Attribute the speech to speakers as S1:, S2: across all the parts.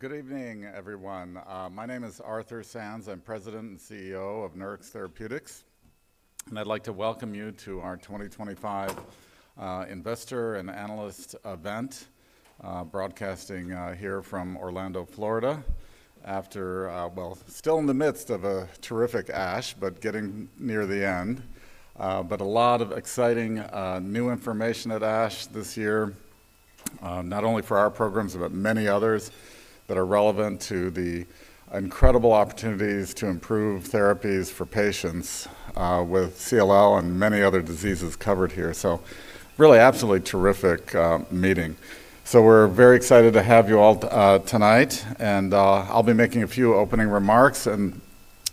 S1: Good evening, everyone. My name is Arthur Sands. I'm President and CEO of Nurix Therapeutics, and I'd like to welcome you to our 2025 Investor and Analyst event, broadcasting here from Orlando, Florida, after, well, still in the midst of a terrific ASH, but getting near the end, but a lot of exciting new information at ASH this year, not only for our programs, but many others that are relevant to the incredible opportunities to improve therapies for patients with CLL and many other diseases covered here. So, really absolutely terrific meeting. So we're very excited to have you all tonight, and I'll be making a few opening remarks, and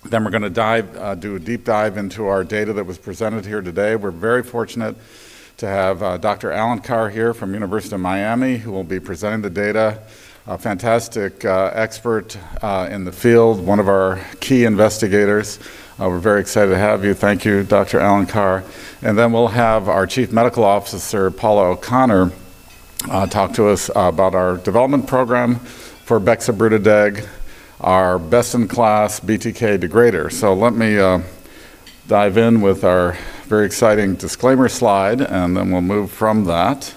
S1: then we're going to dive, do a deep dive into our data that was presented here today. We're very fortunate to have Dr. Alvaro Alencar here from the University of Miami, who will be presenting the data. A fantastic expert in the field, one of our key investigators. We're very excited to have you. Thank you, Dr. Alencar. And then we'll have our Chief Medical Officer, Paula O’Connor, talk to us about our development program for bexobrutideg, our best-in-class BTK degrader. So let me dive in with our very exciting disclaimer slide, and then we'll move from that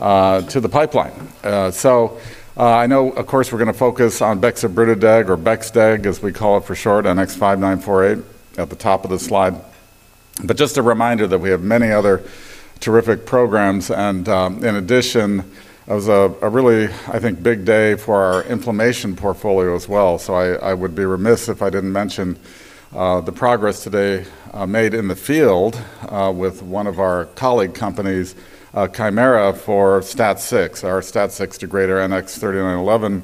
S1: to the pipeline. So I know, of course, we're going to focus on bexobrutideg, or BexDeg, as we call it for short, NX-5948 at the top of the slide. But just a reminder that we have many other terrific programs. And in addition, it was a really, I think, big day for our inflammation portfolio as well. So I would be remiss if I didn't mention the progress today made in the field with one of our colleague companies, Kymera for STAT6, our STAT6 degrader NX-3911.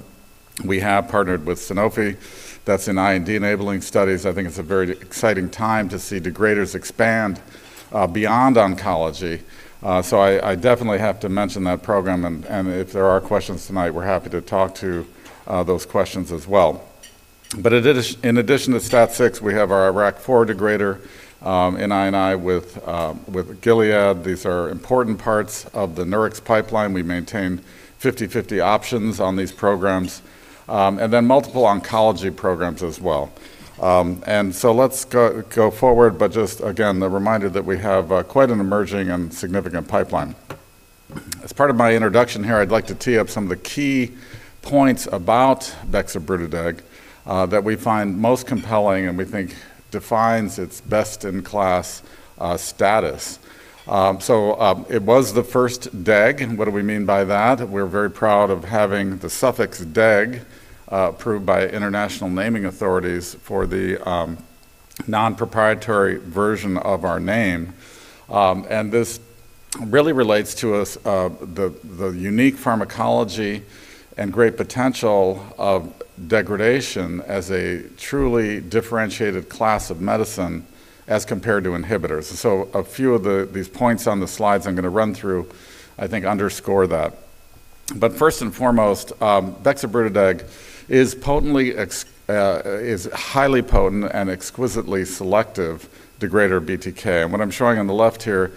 S1: We have partnered with Sanofi. That's in IND enabling studies. I think it's a very exciting time to see degraders expand beyond oncology. So I definitely have to mention that program. And if there are questions tonight, we're happy to talk to those questions as well. But in addition to STAT6, we have our IRAK4 degrader in I&I with Gilead. These are important parts of the Nurix pipeline. We maintain 50/50 options on these programs, and then multiple oncology programs as well. And so let's go forward, but just, again, the reminder that we have quite an emerging and significant pipeline. As part of my introduction here, I'd like to tee up some of the key points about bexobrutideg that we find most compelling and we think defines its best-in-class status. So it was the first DEG. What do we mean by that? We're very proud of having the suffix DEG approved by international naming authorities for the non-proprietary version of our name. And this really relates to the unique pharmacology and great potential of degradation as a truly differentiated class of medicine as compared to inhibitors. And so a few of these points on the slides I'm going to run through, I think, underscore that. But first and foremost, bexobrutideg is a highly potent and exquisitely selective BTK degrader. And what I'm showing on the left here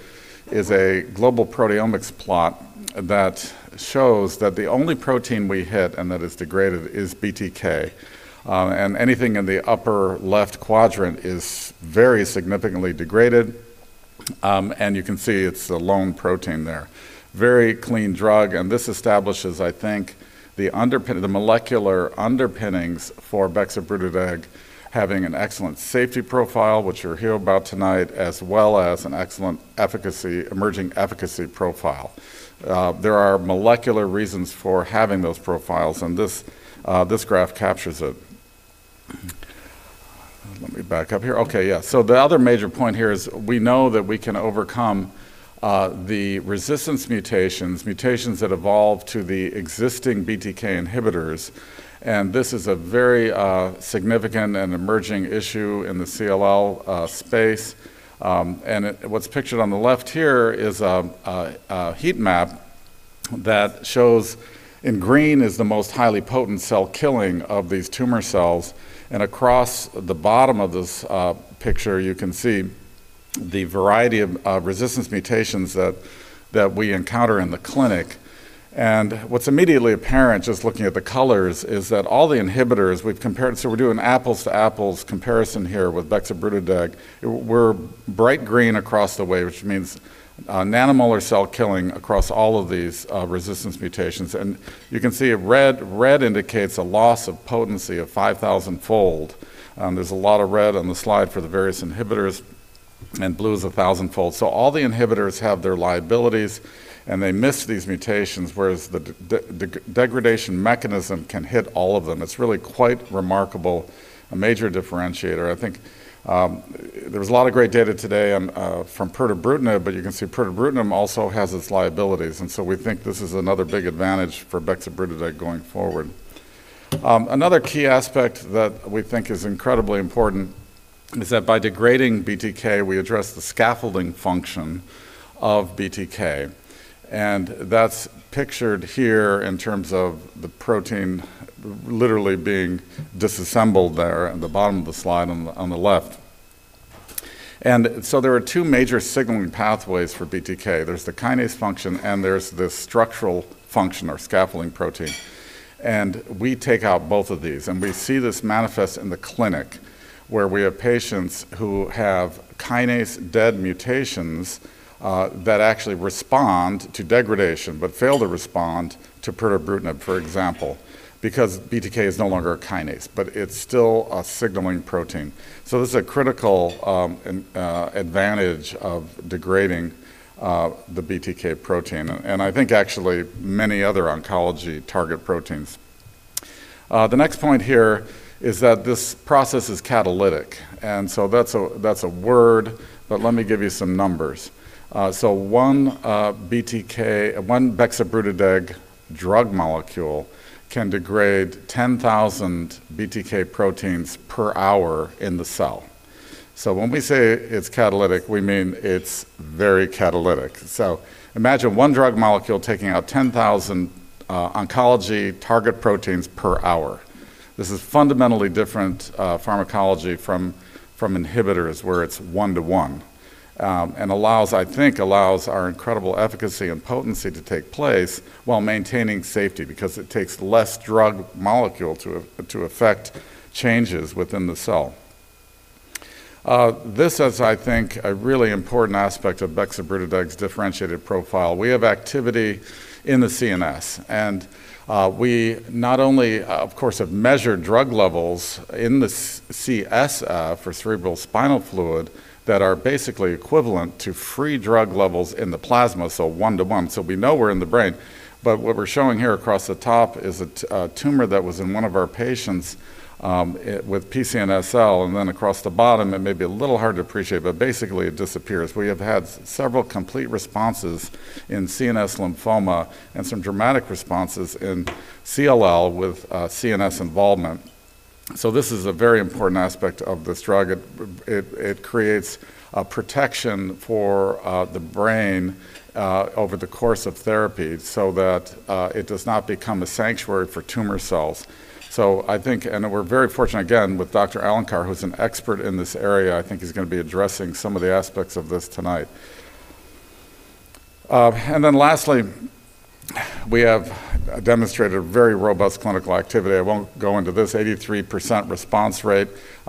S1: is a global proteomics plot that shows that the only protein we hit and that is degraded is BTK. And anything in the upper left quadrant is very significantly degraded. And you can see it's a lone protein there. Very clean drug. And this establishes, I think, the molecular underpinnings for bexobrutideg, having an excellent safety profile, which you'll hear about tonight, as well as an excellent emerging efficacy profile. There are molecular reasons for having those profiles, and this graph captures it. Let me back up here. Okay, yeah. So the other major point here is we know that we can overcome the resistance mutations, mutations that evolve to the existing BTK inhibitors. And this is a very significant and emerging issue in the CLL space. And what's pictured on the left here is a heat map that shows in green is the most highly potent cell killing of these tumor cells. And across the bottom of this picture, you can see the variety of resistance mutations that we encounter in the clinic. And what's immediately apparent, just looking at the colors, is that all the inhibitors we've compared, so we're doing apples-to-apples comparison here with bexobrutideg. We're bright green across the way, which means nanomolar cell killing across all of these resistance mutations. And you can see red indicates a loss of potency of 5,000-fold. There's a lot of red on the slide for the various inhibitors, and blue is 1,000-fold. So all the inhibitors have their liabilities, and they miss these mutations, whereas the degradation mechanism can hit all of them. It's really quite remarkable, a major differentiator. I think there was a lot of great data today from pirtobrutinib, but you can see pirtobrutinib also has its liabilities. And so we think this is another big advantage for bexobrutideg going forward. Another key aspect that we think is incredibly important is that by degrading BTK, we address the scaffolding function of BTK. And that's pictured here in terms of the protein literally being disassembled there at the bottom of the slide on the left. And so there are two major signaling pathways for BTK. There's the kinase function, and there's this structural function or scaffolding protein. And we take out both of these. And we see this manifest in the clinic, where we have patients who have kinase-dead mutations that actually respond to degradation but fail to respond to pirtobrutinib, for example, because BTK is no longer a kinase, but it's still a signaling protein. So this is a critical advantage of degrading the BTK protein, and I think actually many other oncology target proteins. The next point here is that this process is catalytic. That's a word, but let me give you some numbers. One bexobrutideg drug molecule can degrade 10,000 BTK proteins per hour in the cell. When we say it's catalytic, we mean it's very catalytic. Imagine one drug molecule taking out 10,000 oncology target proteins per hour. This is fundamentally different pharmacology from inhibitors, where it's one-to-one and allows, I think, allows our incredible efficacy and potency to take place while maintaining safety because it takes less drug molecule to affect changes within the cell. This is, I think, a really important aspect of bexobrutideg's differentiated profile. We have activity in the CNS, and we not only, of course, have measured drug levels in the CSF, cerebrospinal fluid, that are basically equivalent to free drug levels in the plasma, so one-to-one. We know we're in the brain. But what we're showing here across the top is a tumor that was in one of our patients with PCNSL, and then across the bottom, it may be a little hard to appreciate, but basically it disappears. We have had several complete responses in CNS lymphoma and some dramatic responses in CLL with CNS involvement. So this is a very important aspect of this drug. It creates a protection for the brain over the course of therapy so that it does not become a sanctuary for tumor cells. So I think, and we're very fortunate, again, with Dr. Alvaro Alencar, who's an expert in this area. I think he's going to be addressing some of the aspects of this tonight. And then lastly, we have demonstrated very robust clinical activity. I won't go into this: 83% response rate,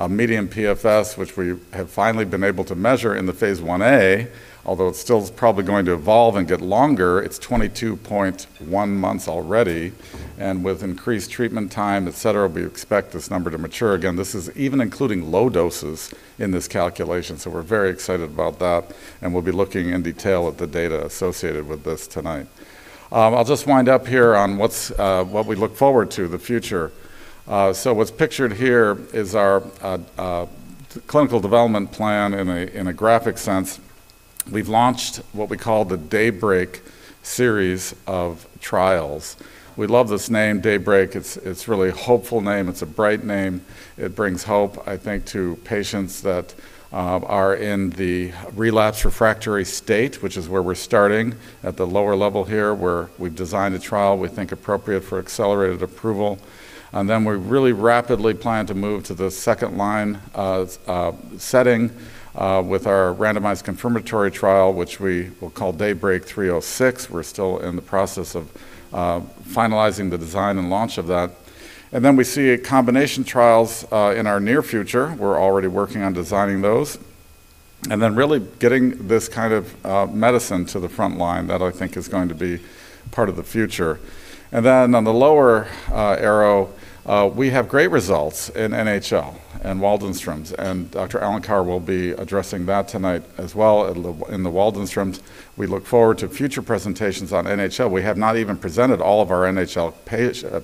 S1: median PFS, which we have finally been able to measure in the phase I-A, although it's still probably going to evolve and get longer. It's 22.1 months already, and with increased treatment time, etc., we expect this number to mature. Again, this is even including low doses in this calculation, so we're very excited about that, and we'll be looking in detail at the data associated with this tonight. I'll just wind up here on what we look forward to the future. What's pictured here is our clinical development plan in a graphic sense. We've launched what we call the DAYBreak series of trials. We love this name, DAYBreak. It's a really hopeful name. It's a bright name. It brings hope, I think, to patients that are in the relapse refractory state, which is where we're starting at the lower level here, where we've designed a trial we think appropriate for accelerated approval. And then we really rapidly plan to move to the second-line setting with our randomized confirmatory trial, which we will call DAYBreak 306. We're still in the process of finalizing the design and launch of that. And then we see combination trials in our near future. We're already working on designing those and then really getting this kind of medicine to the front line that I think is going to be part of the future. And then on the lower arrow, we have great results in NHL and Waldenstrom's, and Dr. Alencar will be addressing that tonight as well in the Waldenstrom's. We look forward to future presentations on NHL. We have not even presented all of our NHL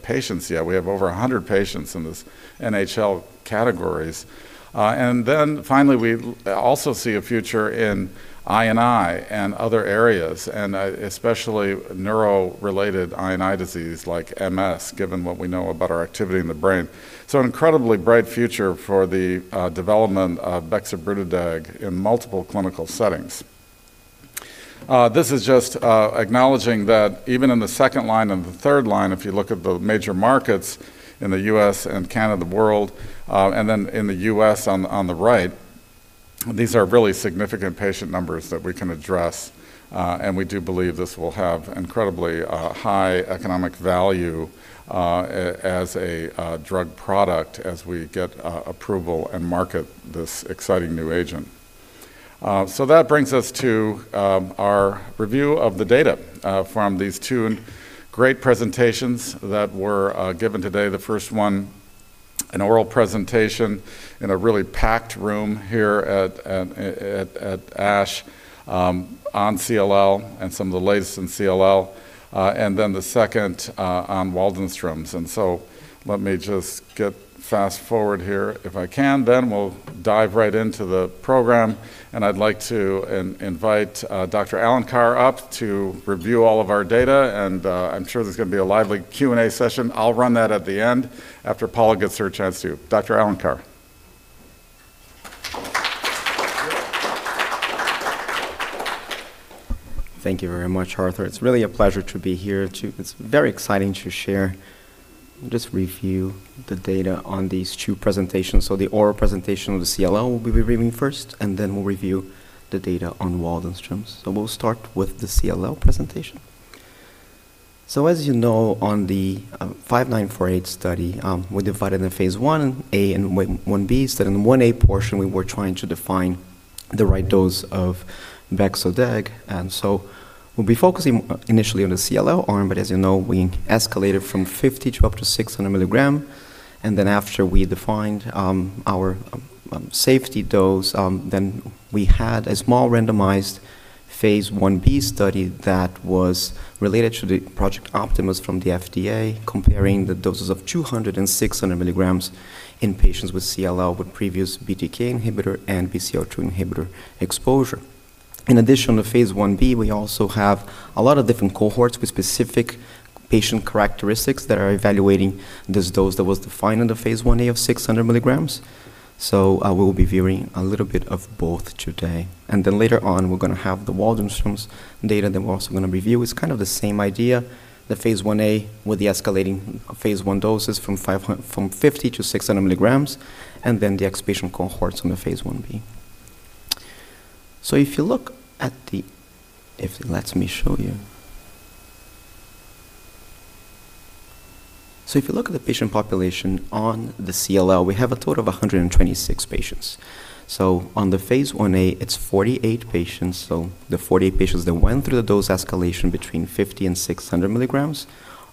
S1: patients yet. We have over 100 patients in these NHL categories. And then finally, we also see a future in I&I and other areas, and especially neuro-related I&I disease like MS, given what we know about our activity in the brain. So an incredibly bright future for the development of bexobrutideg in multiple clinical settings. This is just acknowledging that even in the second line and the third line, if you look at the major markets in the U.S., and Canada, the world, and then in the U.S., on the right, these are really significant patient numbers that we can address. And we do believe this will have incredibly high economic value as a drug product as we get approval and market this exciting new agent. That brings us to our review of the data from these two great presentations that were given today. The first one, an oral presentation in a really packed room here at ASH on CLL and some of the latest in CLL, and then the second on Waldenstrom's. And so let me just get fast forward here if I can. Then we'll dive right into the program, and I'd like to invite Dr. Alvaro Alencar up to review all of our data. And I'm sure there's going to be a lively Q&A session. I'll run that at the end after Paula O’Connor gets her chance to. Dr. Alvaro Alencar.
S2: Thank you very much, Arthur. It's really a pleasure to be here. It's very exciting to share and just review the data on these two presentations, so the oral presentation on the CLL we'll be reviewing first, and then we'll review the data on Waldenstrom's. We'll start with the CLL presentation, so as you know, on the 5948 study, we divided in phase I-A and I-B. In the I-A portion, we were trying to define the right dose of BexDeg, and so we'll be focusing initially on the CLL arm, but as you know, we escalated from 50 mg to up to 600 mg. And then after we defined our safety dose, then we had a small randomized phase I-B study that was related to Project Optimus from the FDA, comparing the doses of 200 mg and 600 mg in patients with CLL with previous BTK inhibitor and BCL2 inhibitor exposure. In addition to phase I-B, we also have a lot of different cohorts with specific patient characteristics that are evaluating this dose that was defined in the phase I-A of 600 mg. So we will be viewing a little bit of both today. And then later on, we're going to have the Waldenstrom's data that we're also going to review. It's kind of the same idea, the phase 1a with the escalating phase I doses from 50 mg to 600 mg, and then the expansion cohorts in the phase I-B. So if you look at the, let me show you. If you look at the patient population on the CLL, we have a total of 126 patients. On the phase I-A, it's 48 patients. The 48 patients that went through the dose escalation between 50 mg and 600 mg,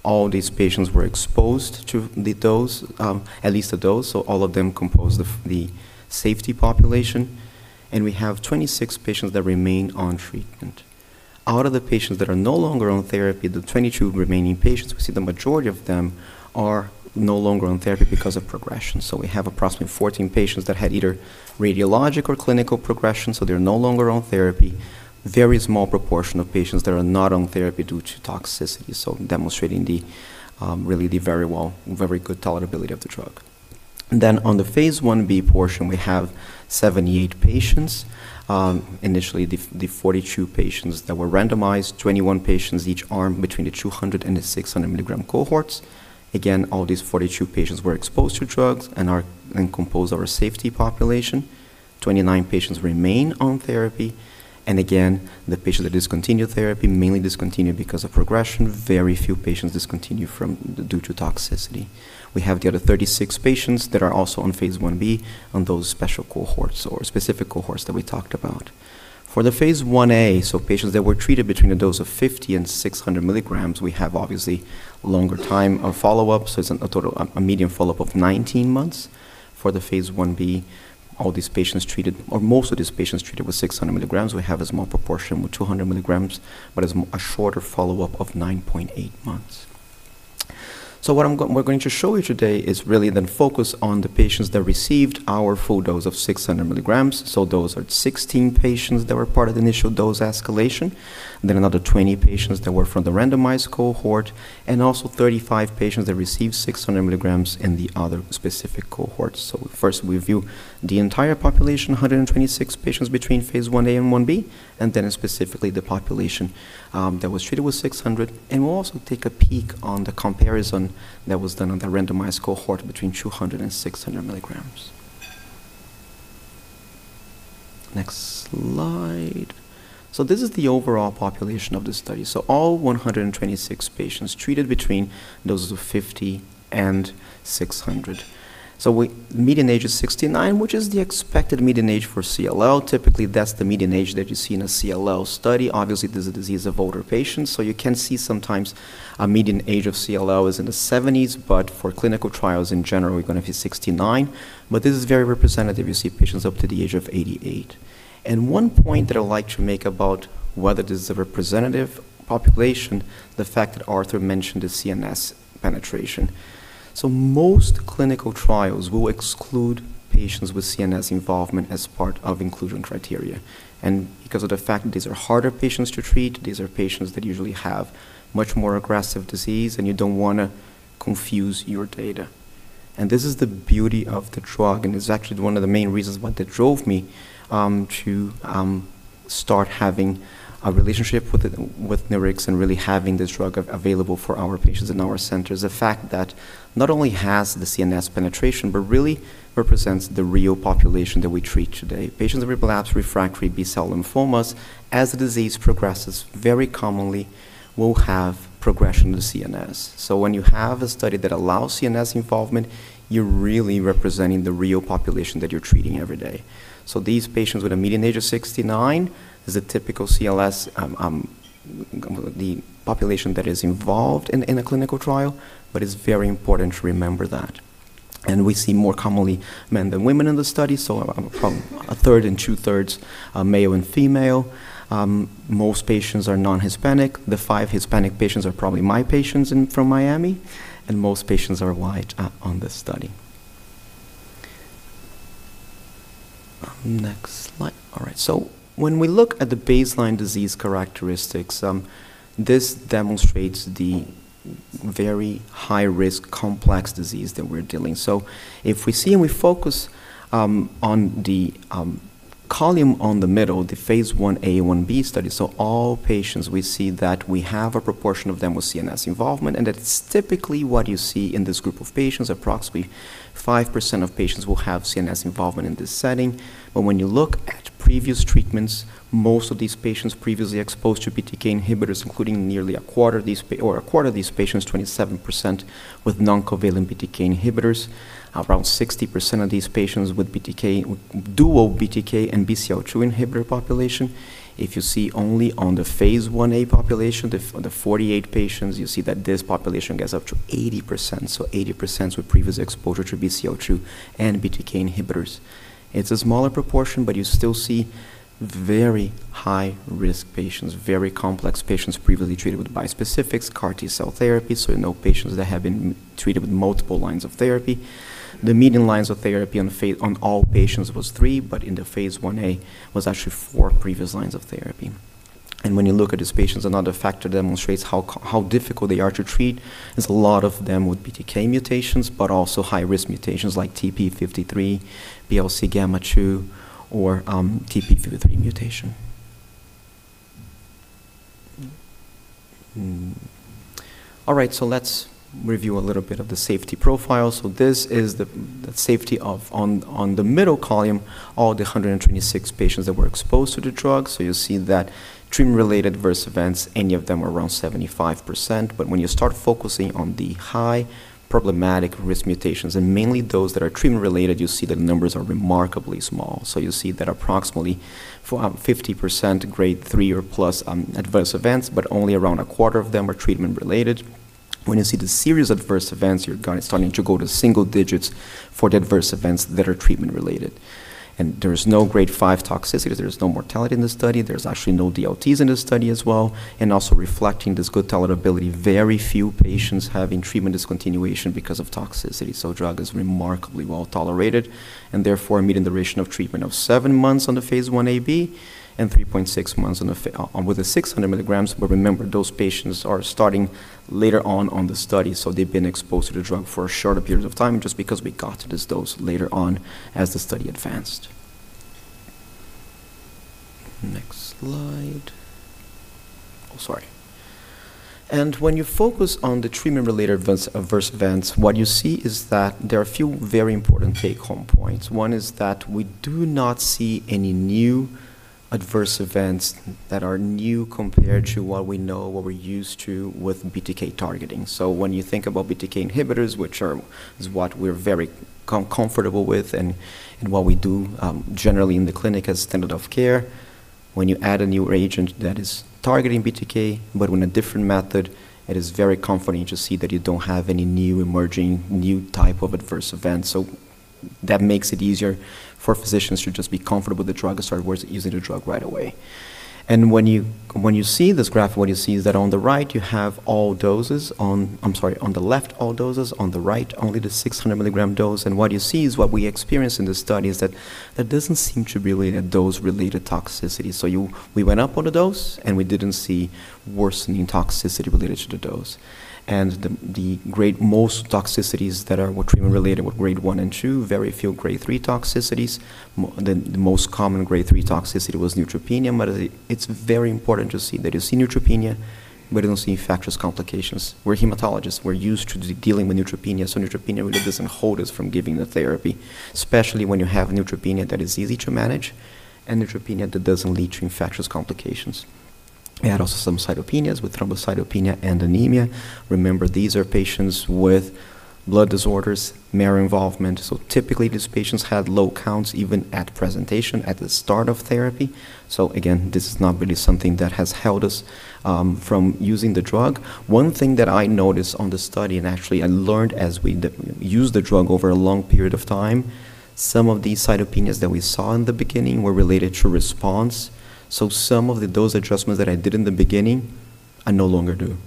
S2: all these patients were exposed to the dose, at least the dose. All of them composed the safety population. We have 26 patients that remain on treatment. Out of the patients that are no longer on therapy, the 22 remaining patients, we see the majority of them are no longer on therapy because of progression. We have approximately 14 patients that had either radiologic or clinical progression. They're no longer on therapy. Very small proportion of patients that are not on therapy due to toxicity, so demonstrating really the very good tolerability of the drug. On the phase I-B portion, we have 78 patients. Initially, the 42 patients that were randomized, 21 patients each arm between the 200 mg and 600 mg cohorts. Again, all these 42 patients were exposed to drugs and composed our safety population. 29 patients remain on therapy. And again, the patients that discontinued therapy mainly discontinued because of progression. Very few patients discontinued due to toxicity. We have the other 36 patients that are also on phase 1B on those special cohorts or specific cohorts that we talked about. For the phase I-A, so patients that were treated between a dose of 50 mg and 600 mg, we have obviously longer time of follow-up. So it's a median follow-up of 19 months. For the phase I-B, all these patients treated, or most of these patients treated with 600 mg, we have a small proportion with 200 mg, but a shorter follow-up of 9.8 months. What we're going to show you today is really then focus on the patients that received our full dose of 600 mg. Those are 16 patients that were part of the initial dose escalation, then another 20 patients that were from the randomized cohort, and also 35 patients that received 600 mgs in the other specific cohorts. First, we review the entire population, 126 patients between phase I-A and I-B, and then specifically the population that was treated with 600 mg. We'll also take a peek on the comparison that was done on the randomized cohort between 200 mg and 600 mg. Next slide. This is the overall population of the study. All 126 patients treated between doses of 50 mg and 600 mg. Median age is 69, which is the expected median age for CLL. Typically, that's the median age that you see in a CLL study. Obviously, this is a disease of older patients, so you can see sometimes a median age of CLL is in the 70s, but for clinical trials in general, we're going to be 69, but this is very representative. You see patients up to the age of 88, and one point that I'd like to make about whether this is a representative population, the fact that Arthur mentioned the CNS penetration. So most clinical trials will exclude patients with CNS involvement as part of inclusion criteria. And because of the fact that these are harder patients to treat, these are patients that usually have much more aggressive disease, and you don't want to confuse your data. This is the beauty of the drug, and it's actually one of the main reasons what drove me to start having a relationship with Nurix and really having this drug available for our patients in our centers. The fact that not only has the CNS penetration, but really represents the real population that we treat today. Patients with relapse refractory B-cell lymphomas, as the disease progresses, very commonly will have progression of the CNS. So when you have a study that allows CNS involvement, you're really representing the real population that you're treating every day. So these patients with a median age of 69 is a typical CLL, the population that is involved in a clinical trial, but it's very important to remember that. And we see more commonly men than women in the study, so a third and two-thirds male and female. Most patients are non-Hispanic. The five Hispanic patients are probably my patients from Miami, and most patients are white on this study. Next slide. All right. So when we look at the baseline disease characteristics, this demonstrates the very high-risk complex disease that we're dealing. So if we see and we focus on the column on the middle, the phase I-A, I-B study, so all patients, we see that we have a proportion of them with CNS involvement, and that's typically what you see in this group of patients. Approximately 5% of patients will have CNS involvement in this setting. But when you look at previous treatments, most of these patients previously exposed to BTK inhibitors, including nearly a quarter of these patients, 27% with non-covalent BTK inhibitors, around 60% of these patients with dual BTK and BCL2 inhibitor population. If you see only on the phase I-A population, the 48 patients, you see that this population gets up to 80%, so 80% with previous exposure to BCL2 and BTK inhibitors. It's a smaller proportion, but you still see very high-risk patients, very complex patients previously treated with bispecifics, CAR T-cell therapy, so no patients that have been treated with multiple lines of therapy. The median lines of therapy on all patients was three, but in the phase I-A was actually four previous lines of therapy, and when you look at these patients, another factor demonstrates how difficult they are to treat. There's a lot of them with BTK mutations, but also high-risk mutations like TP53, BLC gamma 2, or TP53 mutation. All right, so let's review a little bit of the safety profile. This is the safety data on the middle column, all the 126 patients that were exposed to the drug. You see that treatment-related adverse events, any of them around 75%. When you start focusing on the high problematic risk mutations, and mainly those that are treatment-related, you see that numbers are remarkably small. You see that approximately 50% Grade 3 or plus adverse events, but only around a quarter of them are treatment-related. When you see the serious adverse events, you're starting to go to single-digits for the adverse events that are treatment-related. There is no Grade 5 toxicity. There is no mortality in this study. There's actually no DLTs in this study as well. Also reflecting this good tolerability, very few patients have treatment discontinuation because of toxicity. The drug is remarkably well tolerated, and the median duration of treatment is seven months in the phase I-A,B and 3.6 months with the 600 mg. But remember, those patients are starting later on the study, so they've been exposed to the drug for shorter periods of time just because we got this dose later on as the study advanced. Next slide. Oh, sorry. When you focus on the treatment-related adverse events, what you see is that there are a few very important take-home points. One is that we do not see any new adverse events that are new compared to what we know, what we're used to with BTK targeting. When you think about BTK inhibitors, which is what we're very comfortable with and what we do generally in the clinic as standard of care, when you add a new agent that is targeting BTK, but in a different method, it is very comforting to see that you don't have any new emerging type of adverse events. That makes it easier for physicians to just be comfortable with the drug and start using the drug right away. When you see this graph, what you see is that on the right, you have all doses. On, I'm sorry, on the left, all doses. On the right, only the 600 mg dose. What you see is what we experienced in this study is that there doesn't seem to be really a dose-related toxicity. So we went up on the dose, and we didn't see worsening toxicity related to the dose. And the vast majority of toxicities that are treatment-related were Grade 1 and 2, very few Grade 3 toxicities. The most common Grade 3 toxicity was neutropenia, but it's very important to see that you see neutropenia, but you don't see any febrile complications. We're hematologists. We're used to dealing with neutropenia. So neutropenia really doesn't hold us from giving the therapy, especially when you have neutropenia that is easy to manage and neutropenia that doesn't lead to infectious complications. We had also some cytopenias with thrombocytopenia and anemia. Remember, these are patients with blood disorders, marrow involvement. So typically, these patients had low counts even at presentation, at the start of therapy. So again, this is not really something that has held us from using the drug. One thing that I noticed on the study, and actually I learned as we used the drug over a long period of time, some of these cytopenias that we saw in the beginning were related to response. So some of the dose adjustments that I did in the beginning, I no longer do.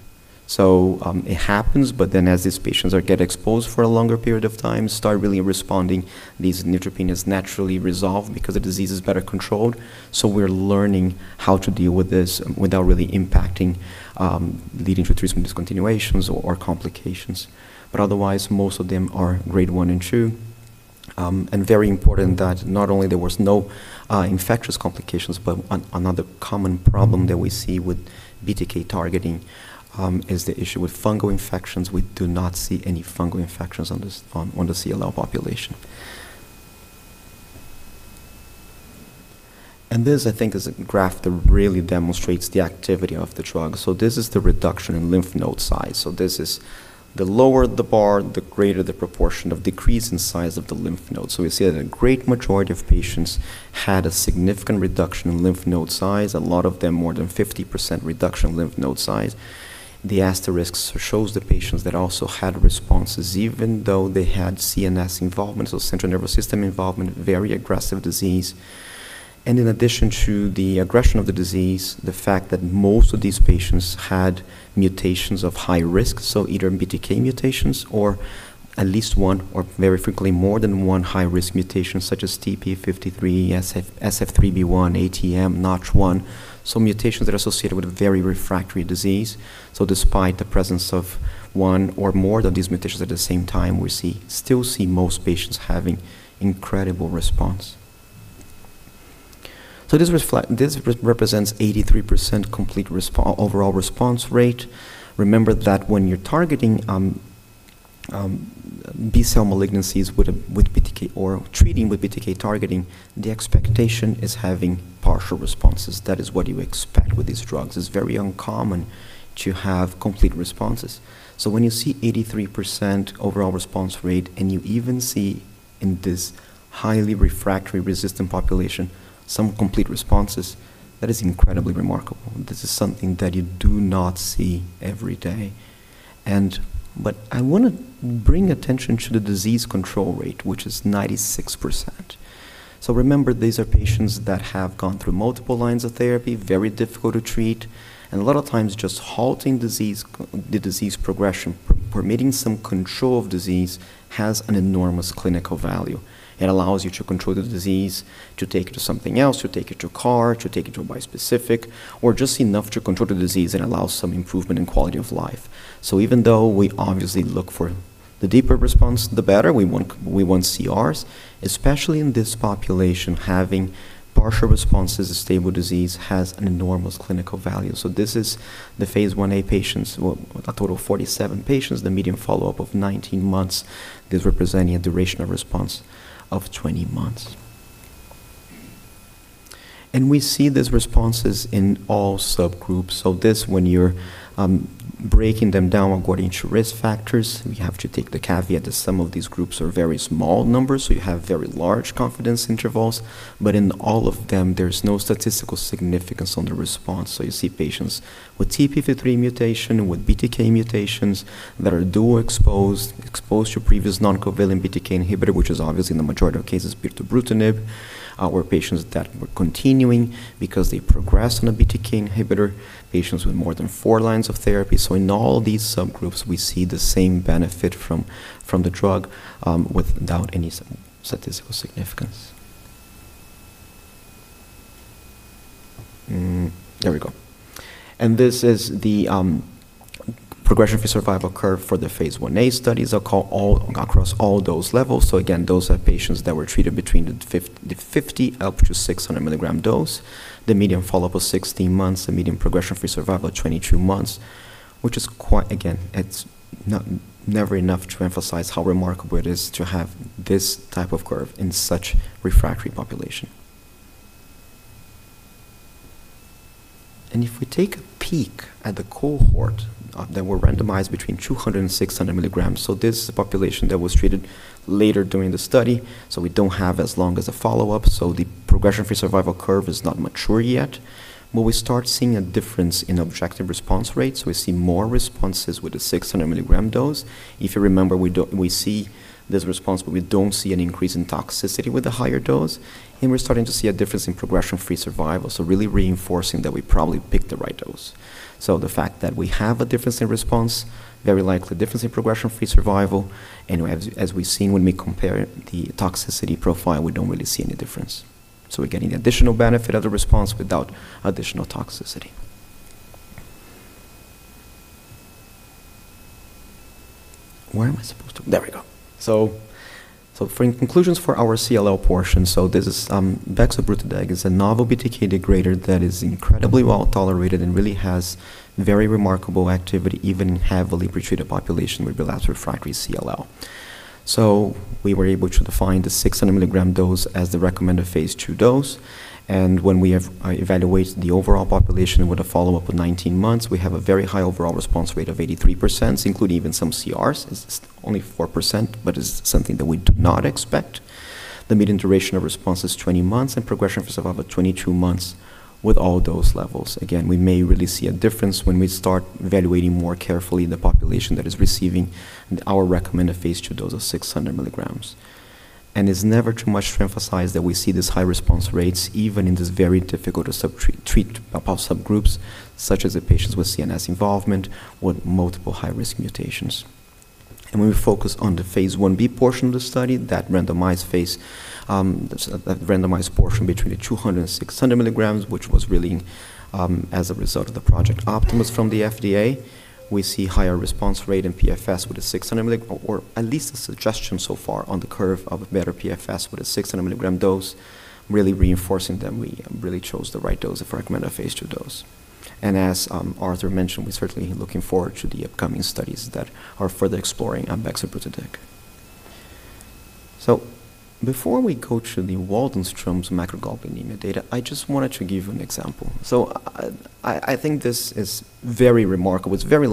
S2: So it happens, but then as these patients get exposed for a longer period of time, start really responding, these neutropenias naturally resolve because the disease is better controlled. So we're learning how to deal with this without really impacting leading to treatment discontinuations or complications. But otherwise, most of them are Grade 1 and 2. And very important that not only there were no infectious complications, but another common problem that we see with BTK targeting is the issue with fungal infections. We do not see any fungal infections on the CLL population. This, I think, is a graph that really demonstrates the activity of the drug. This is the reduction in lymph node size. This is the lower the bar, the greater the proportion of decrease in size of the lymph nodes. We see that a great majority of patients had a significant reduction in lymph node size, a lot of them more than 50% reduction in lymph node size. The asterisk shows the patients that also had responses even though they had CNS involvement, so central nervous system involvement, very aggressive disease. In addition to the aggression of the disease, the fact that most of these patients had mutations of high risk, so either BTK mutations or at least one or very frequently more than one high-risk mutation such as TP53, SF3B1, ATM, NOTCH1, so mutations that are associated with very refractory disease. Despite the presence of one or more of these mutations at the same time, we still see most patients having incredible response. This represents 83% complete overall response rate. Remember that when you're targeting B-cell malignancies with BTK or treating with BTK targeting, the expectation is having partial responses. That is what you expect with these drugs. It's very uncommon to have complete responses. When you see 83% overall response rate, and you even see in this highly refractory resistant population some complete responses, that is incredibly remarkable. This is something that you do not see every day. I want to bring attention to the disease control rate, which is 96%. So remember, these are patients that have gone through multiple lines of therapy, very difficult to treat, and a lot of times just halting the disease progression, permitting some control of disease has an enormous clinical value. It allows you to control the disease, to take it to something else, to take it to CAR, to take it to a bispecific, or just enough to control the disease and allow some improvement in quality of life. So even though we obviously look for the deeper response, the better. We want CRs, especially in this population having partial responses to stable disease has an enormous clinical value. So this is the phase I-A patients, a total of 47 patients, the median follow-up of 19 months. This represents a duration of response of 20 months. And we see these responses in all subgroups. This, when you're breaking them down according to risk factors, we have to take the caveat that some of these groups are very small numbers, so you have very large confidence intervals. In all of them, there's no statistical significance on the response. You see patients with TP53 mutation, with BTK mutations that are dual exposed, exposed to previous non-covalent BTK inhibitor, which is obviously in the majority of cases pirtobrutinib, or patients that were continuing because they progressed on a BTK inhibitor, patients with more than four lines of therapy. In all these subgroups, we see the same benefit from the drug without any statistical significance. There we go. This is the progression-free survival curve for the phase I-A studies. They're all across all those levels. Again, those are patients that were treated between the 50 mg up to 600 mg dose. The median follow-up was 16 months. The median progression-free survival was 22 months, which is quite again, it's never enough to emphasize how remarkable it is to have this type of curve in such refractory population, and if we take a peek at the cohort that were randomized between 200 mg and 600 mg, so this is the population that was treated later during the study, so we don't have as long as a follow-up, so the progression-free survival curve is not mature yet, but we start seeing a difference in objective response rate, so we see more responses with the 600 mg dose. If you remember, we see this response, but we don't see an increase in toxicity with the higher dose, and we're starting to see a difference in progression-free survival, so really reinforcing that we probably picked the right dose. The fact that we have a difference in response, very likely a difference in progression-free survival. And as we've seen, when we compare the toxicity profile, we don't really see any difference. We're getting the additional benefit of the response without additional toxicity. For conclusions for our CLL portion, this is bexobrutideg. It's a novel BTK degrader that is incredibly well tolerated and really has very remarkable activity even in heavily pretreated population with relapse refractory CLL. We were able to define the 600 mg dose as the recommended phase II dose. And when we evaluate the overall population with a follow-up of 19 months, we have a very high overall response rate of 83%, including even some CRs. It's only 4%, but it's something that we do not expect. The median duration of response is 20 months, and progression-free survival is 22 months with all those levels. Again, we may really see a difference when we start evaluating more carefully in the population that is receiving our recommended phase II dose of 600 mg, and it's never too much to emphasize that we see these high response rates even in these very difficult to treat subgroups, such as the patients with CNS involvement with multiple high-risk mutations. When we focus on the phase I-B portion of the study, that randomized portion between the 200 mg and 600 mg, which was really as a result of Project Optimus from the FDA, we see a higher response rate in PFS with the 600 mg, or at least a suggestion so far on the curve of a better PFS with a 600 mg dose, really reinforcing that we really chose the right dose of recommended phase II dose. As Arthur mentioned, we are certainly looking forward to the upcoming studies that are further exploring bexobrutideg. Before we go to the Waldenstrom's macroglobulinemia data, I just wanted to give you an example. I think this is very remarkable. It's very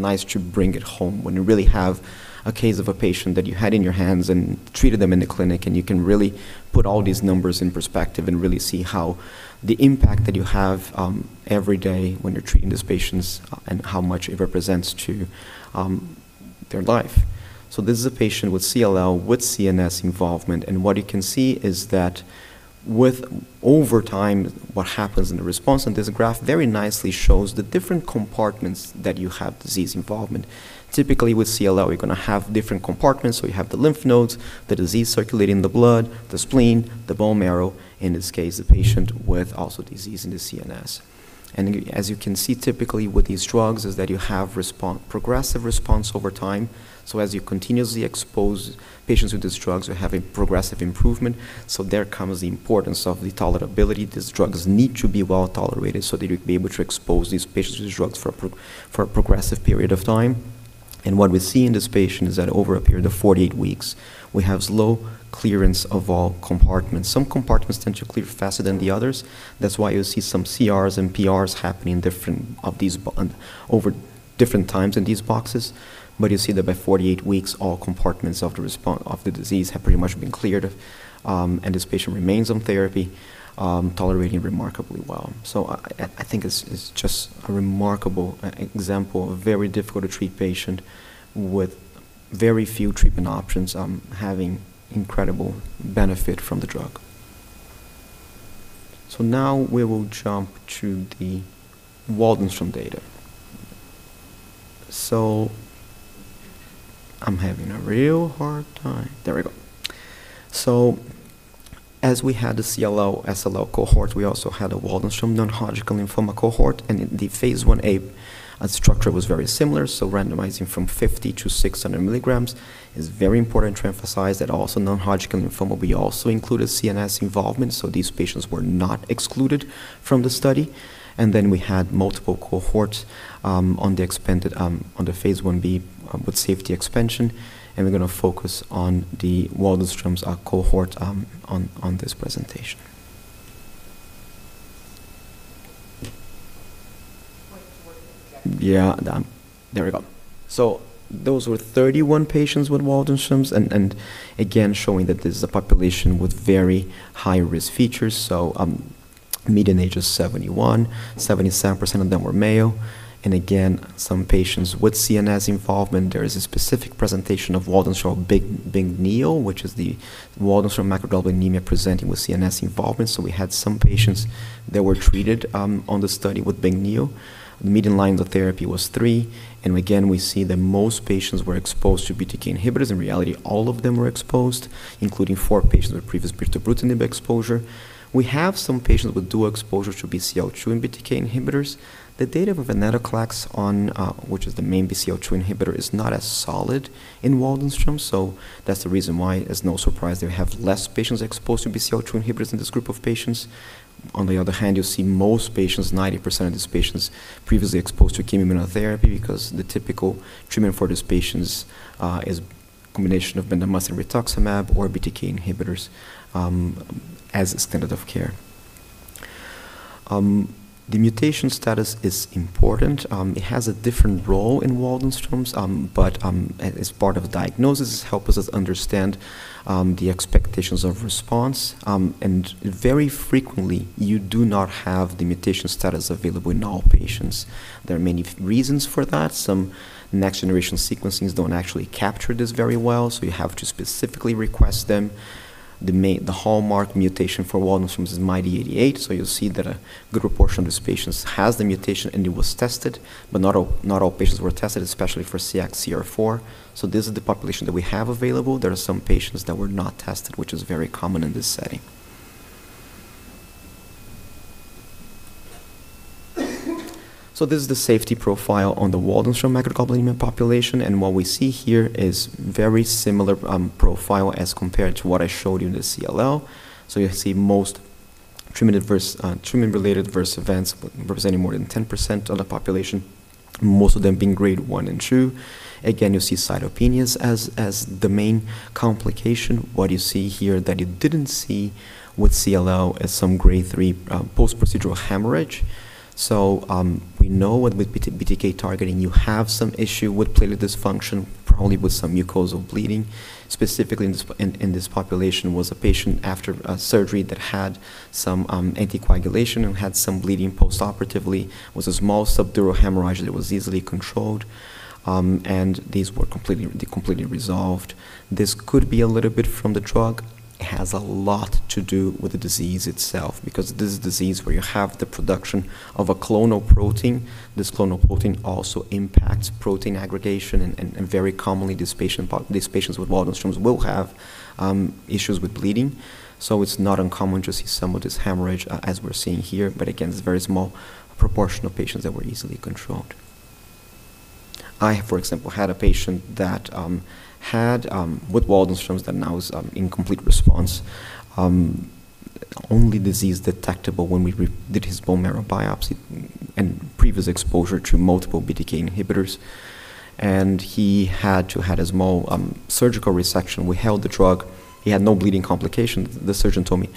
S2: nice to bring it home when you really have a case of a patient that you had in your hands and treated them in the clinic, and you can really put all these numbers in perspective and really see how the impact that you have every day when you're treating these patients and how much it represents to their life. So this is a patient with CLL with CNS involvement. And what you can see is that over time, what happens in the response, and this graph very nicely shows the different compartments that you have disease involvement. Typically, with CLL, you're going to have different compartments. So you have the lymph nodes, the disease circulating the blood, the spleen, the bone marrow. In this case, the patient with also disease in the CNS. And as you can see, typically with these drugs is that you have progressive response over time. So as you continuously expose patients with these drugs, you have a progressive improvement. So there comes the importance of the tolerability. These drugs need to be well tolerated so that you'd be able to expose these patients to these drugs for a progressive period of time. And what we see in this patient is that over a period of 48 weeks, we have low clearance of all compartments. Some compartments tend to clear faster than the others. That's why you see some CRs and PRs happening over different times in these boxes. But you see that by 48 weeks, all compartments of the disease have pretty much been cleared, and this patient remains on therapy, tolerating remarkably well. So I think it's just a remarkable example of a very difficult-to-treat patient with very few treatment options having incredible benefit from the drug. So now we will jump to the Waldenstrom data. As we had the CLL, SLL cohort, we also had a Waldenstrom non-Hodgkin lymphoma cohort. And in the phase I-A, the structure was very similar. So randomizing from 50 mg to 600 mg is very important to emphasize that also non-Hodgkin lymphoma, we also included CNS involvement. So these patients were not excluded from the study. And then we had multiple cohorts on the phase I-B with safety expansion. And we're going to focus on the Waldenstrom's cohort on this presentation. So those were 31 patients with Waldenstrom's, and again, showing that this is a population with very high-risk features. Median age is 71. 77% of them were male. Again, some patients with CNS involvement. There is a specific presentation of Waldenstrom's Bing-Neel, which is the Waldenstrom's macroglobulinemia presenting with CNS involvement. We had some patients that were treated on the study with Bing-Neel. The median line of therapy was three. Again, we see that most patients were exposed to BTK inhibitors. In reality, all of them were exposed, including four patients with previous pirtobrutinib exposure. We have some patients with dual exposure to BCL2 and BTK inhibitors. The data with venetoclax, which is the main BCL2 inhibitor, is not as solid in Waldenstrom's. That's the reason why it's no surprise they have less patients exposed to BCL2 inhibitors in this group of patients. On the other hand, you see most patients, 90% of these patients, previously exposed to chemoimmunotherapy because the typical treatment for these patients is a combination of bendamustine and rituximab or BTK inhibitors as standard of care. The mutation status is important. It has a different role in Waldenstrom's, but as part of diagnosis, it helps us understand the expectations of response, and very frequently, you do not have the mutation status available in all patients. There are many reasons for that. Some next-generation sequencings don't actually capture this very well, so you have to specifically request them. The hallmark mutation for Waldenstrom's is MYD88, so you'll see that a good proportion of these patients has the mutation, and it was tested, but not all patients were tested, especially for CXCR4, so this is the population that we have available. There are some patients that were not tested, which is very common in this setting. So this is the safety profile on the Waldenstrom's macroglobulinemia population. And what we see here is a very similar profile as compared to what I showed you in the CLL. So you see most treatment-related events representing more than 10% of the population, most of them being Grade 1 and 2. Again, you see cytopenias as the main complication. What you see here is that you didn't see with CLL as some Grade 3 post-procedural hemorrhage. So we know with BTK targeting, you have some issue with platelet dysfunction, probably with some mucosal bleeding. Specifically, in this population, there was a patient after surgery that had some anticoagulation and had some bleeding postoperatively. It was a small subdural hemorrhage that was easily controlled, and these were completely resolved. This could be a little bit from the drug. It has a lot to do with the disease itself because this is a disease where you have the production of a clonal protein. This clonal protein also impacts protein aggregation. And very commonly, these patients with Waldenstrom's will have issues with bleeding. So it's not uncommon to see some of this hemorrhage as we're seeing here. But again, it's a very small proportion of patients that were easily controlled. I, for example, had a patient with Waldenstrom's that now is in complete response, only disease detectable when we did his bone marrow biopsy and previous exposure to multiple BTK inhibitors. And he had to have a small surgical resection. We held the drug. He had no bleeding complications. The surgeon told me,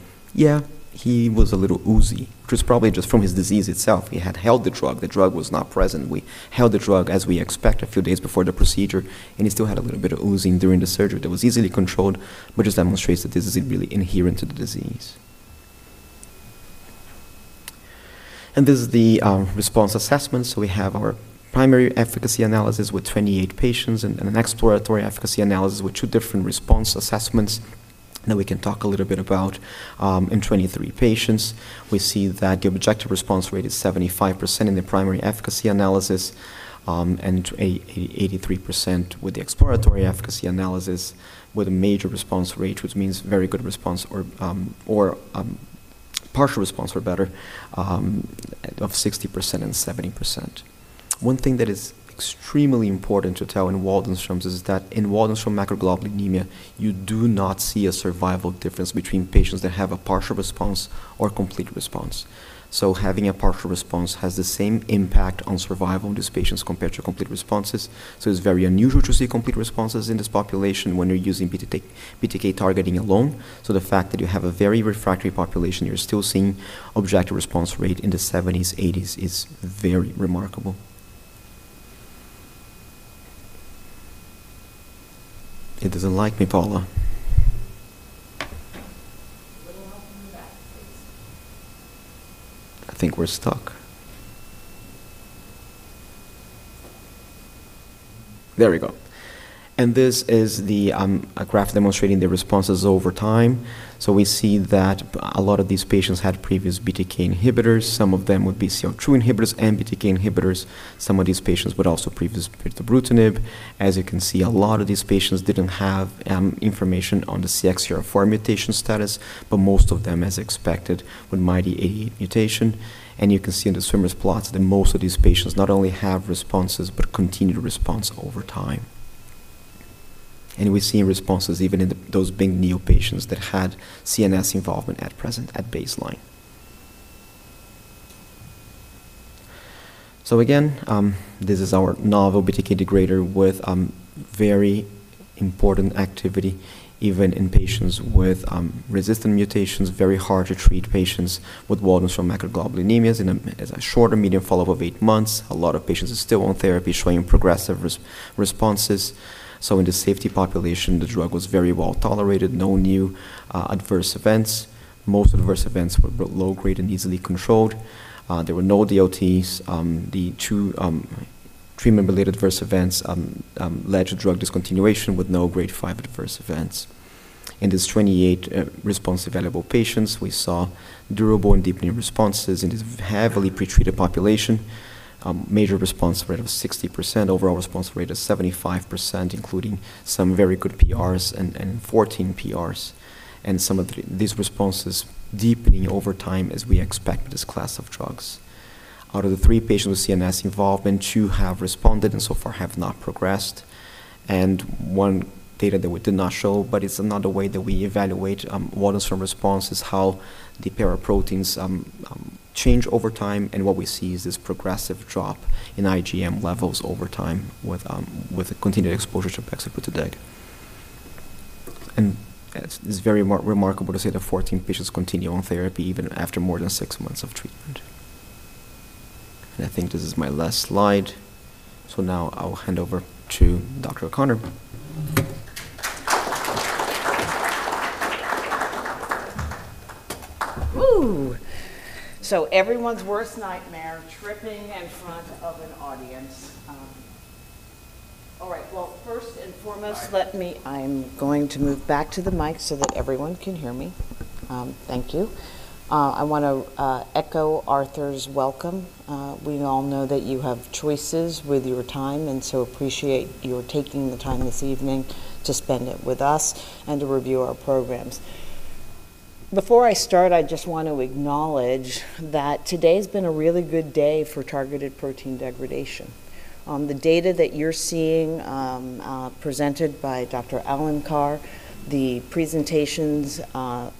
S2: "Yeah, he was a little oozy," which was probably just from his disease itself. He had held the drug. The drug was not present. We held the drug as we expected a few days before the procedure, and he still had a little bit of oozing during the surgery that was easily controlled, which demonstrates that this is really inherent to the disease. This is the response assessment. We have our primary efficacy analysis with 28 patients and an exploratory efficacy analysis with two different response assessments that we can talk a little bit about in 23 patients. We see that the objective response rate is 75% in the primary efficacy analysis and 83% with the exploratory efficacy analysis with a major response rate, which means very good response or partial response or better of 60% and 70%. One thing that is extremely important to tell in Waldenstrom's is that in Waldenstrom macroglobulinemia, you do not see a survival difference between patients that have a partial response or complete response. So having a partial response has the same impact on survival in these patients compared to complete responses. So it's very unusual to see complete responses in this population when you're using BTK targeting alone. So the fact that you have a very refractory population, you're still seeing objective response rate in the 70%-80% is very remarkable. It doesn't like me, Paula. I think we're stuck. There we go. This is the graph demonstrating the responses over time. So we see that a lot of these patients had previous BTK inhibitors. Some of them would be CL2 inhibitors and BTK inhibitors. Some of these patients would also have previous pirtobrutinib. As you can see, a lot of these patients didn't have information on the CXCR4 mutation status, but most of them, as expected, with MYD88 mutation. And you can see in the Swimmer plots that most of these patients not only have responses but continue to respond over time. And we've seen responses even in those Bing-Neel patients that had CNS involvement at present at baseline. So again, this is our novel BTK degrader with very important activity even in patients with resistant mutations, very hard to treat patients with Waldenstrom's macroglobulinemias. In a short to medium follow-up of eight months, a lot of patients are still on therapy showing progressive responses. So in the safety population, the drug was very well tolerated. No new adverse events. Most adverse events were low-grade and easily controlled. There were no DLTs. The two treatment-related adverse events led to drug discontinuation with no Grade 5 adverse events. In these 28 response-evaluable patients, we saw durable and deepening responses in this heavily pretreated population. Major response rate of 60%, overall response rate of 75%, including some very good PRs and 14 PRs. And some of these responses deepening over time as we expect with this class of drugs. Out of the three patients with CNS involvement, two have responded and so far have not progressed. And one data that we did not show, but it's another way that we evaluate Waldenstrom's responses, how the paraproteins change over time. And what we see is this progressive drop in IgM levels over time with continued exposure to bexobrutideg. And it's very remarkable to see that 14 patients continue on therapy even after more than six months of treatment. I think this is my last slide. Now I'll hand over to Dr. O’Connor.
S3: Ooh. Everyone's worst nightmare, tripping in front of an audience. All right. First and foremost, let me, I'm going to move back to the mic so that everyone can hear me. Thank you. I want to echo Arthur's welcome. We all know that you have choices with your time, and so appreciate your taking the time this evening to spend it with us and to review our programs. Before I start, I just want to acknowledge that today has been a really good day for targeted protein degradation. The data that you're seeing presented by Dr. Alencar, the presentations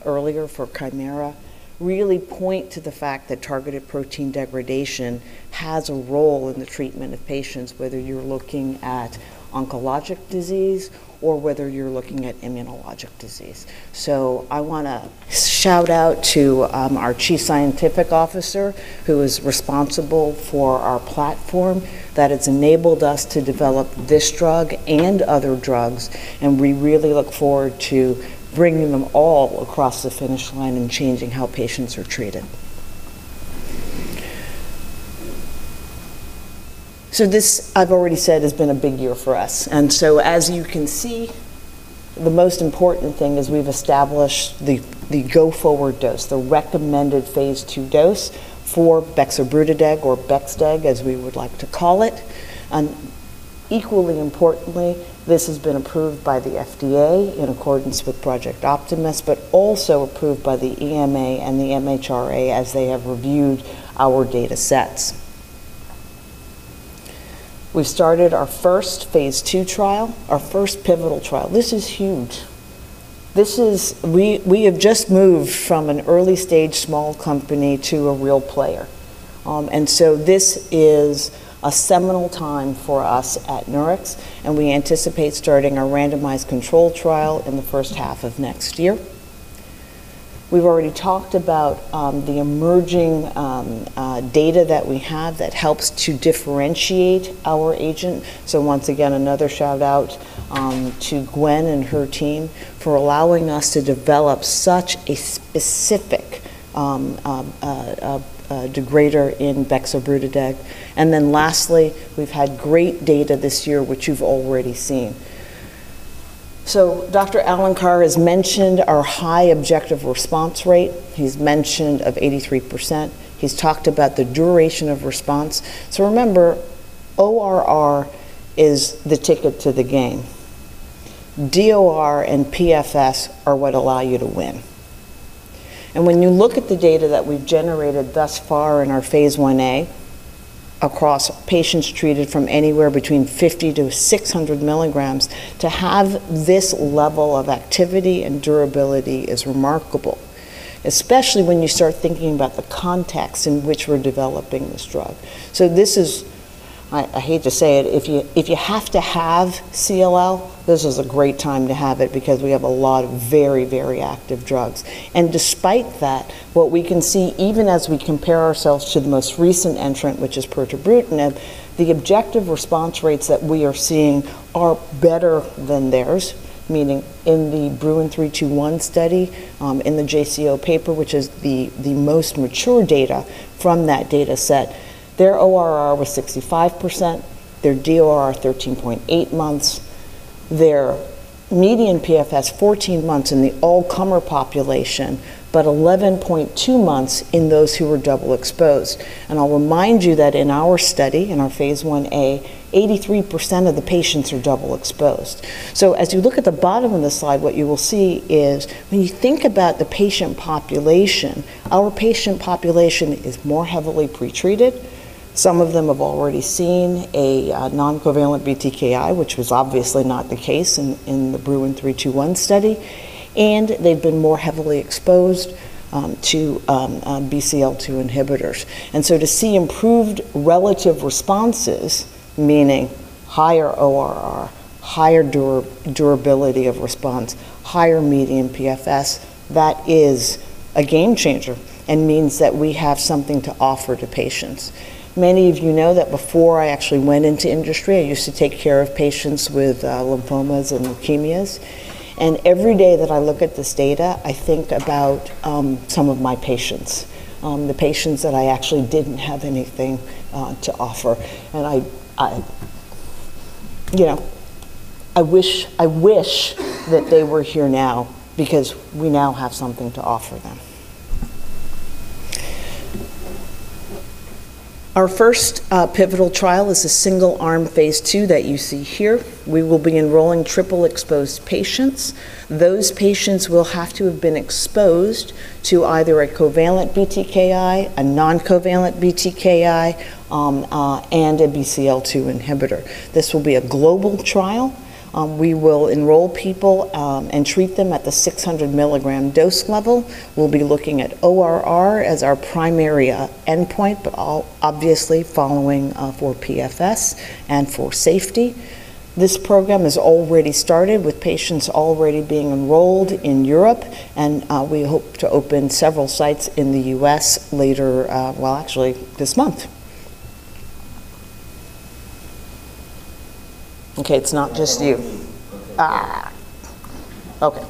S3: earlier for Kymera, really point to the fact that targeted protein degradation has a role in the treatment of patients, whether you're looking at oncologic disease or whether you're looking at immunologic disease. So I want to shout out to our Chief Scientific Officer, who is responsible for our platform that has enabled us to develop this drug and other drugs. And we really look forward to bringing them all across the finish line and changing how patients are treated. So this, I've already said, has been a big year for us. And so as you can see, the most important thing is we've established the go-forward dose, the recommended phase II dose for bexobrutideg or BexDeg, as we would like to call it. Equally importantly, this has been approved by the FDA in accordance with Project Optimus, but also approved by the EMA and the MHRA as they have reviewed our data sets. We've started our first phase II trial, our first pivotal trial. This is huge. We have just moved from an early-stage small company to a real player. And so this is a seminal time for us at Nurix, and we anticipate starting our randomized controlled trial in the first half of next year. We've already talked about the emerging data that we have that helps to differentiate our agent. So once again, another shout out to Gwenn and her team for allowing us to develop such a specific degrader in bexobrutideg. And then lastly, we've had great data this year, which you've already seen. So Dr. Alencar has mentioned our high objective response rate. He's mentioned of 83%. He's talked about the duration of response. So remember, ORR is the ticket to the game. DOR and PFS are what allow you to win. When you look at the data that we've generated thus far in our phase I-A across patients treated from anywhere between 50 mg-600 mg, to have this level of activity and durability is remarkable, especially when you start thinking about the context in which we're developing this drug. This is, I hate to say it, if you have to have CLL, this is a great time to have it because we have a lot of very, very active drugs. Despite that, what we can see, even as we compare ourselves to the most recent entrant, which is pirtobrutinib, the objective response rates that we are seeing are better than theirs, meaning in the BRUIN 321 study in the JCO paper, which is the most mature data from that data set, their ORR was 65%, their DOR 13.8 months, their median PFS 14 months in the all-comer population, but 11.2 months in those who were double-exposed. I'll remind you that in our study, in our phase I-A, 83% of the patients are double-exposed. As you look at the bottom of the slide, what you will see is when you think about the patient population, our patient population is more heavily pretreated. Some of them have already seen a noncovalent BTKi, which was obviously not the case in the BRUIN 321 study, and they've been more heavily exposed to BCL2 inhibitors, and so to see improved relative responses, meaning higher ORR, higher durability of response, higher median PFS, that is a game changer and means that we have something to offer to patients. Many of you know that before I actually went into industry, I used to take care of patients with lymphomas and leukemias, and every day that I look at this data, I think about some of my patients, the patients that I actually didn't have anything to offer, and I wish that they were here now because we now have something to offer them. Our first pivotal trial is a single-arm phase two that you see here. We will be enrolling triple-exposed patients. Those patients will have to have been exposed to either a covalent BTKi, a noncovalent BTKi, and a BCL2 inhibitor. This will be a global trial. We will enroll people and treat them at the 600 mg dose level. We'll be looking at ORR as our primary endpoint, but obviously following for PFS and for safety. This program is already started with patients already being enrolled in Europe, and we hope to open several sites in the U.S., later, well, actually this month. Okay, it's not just you. Okay.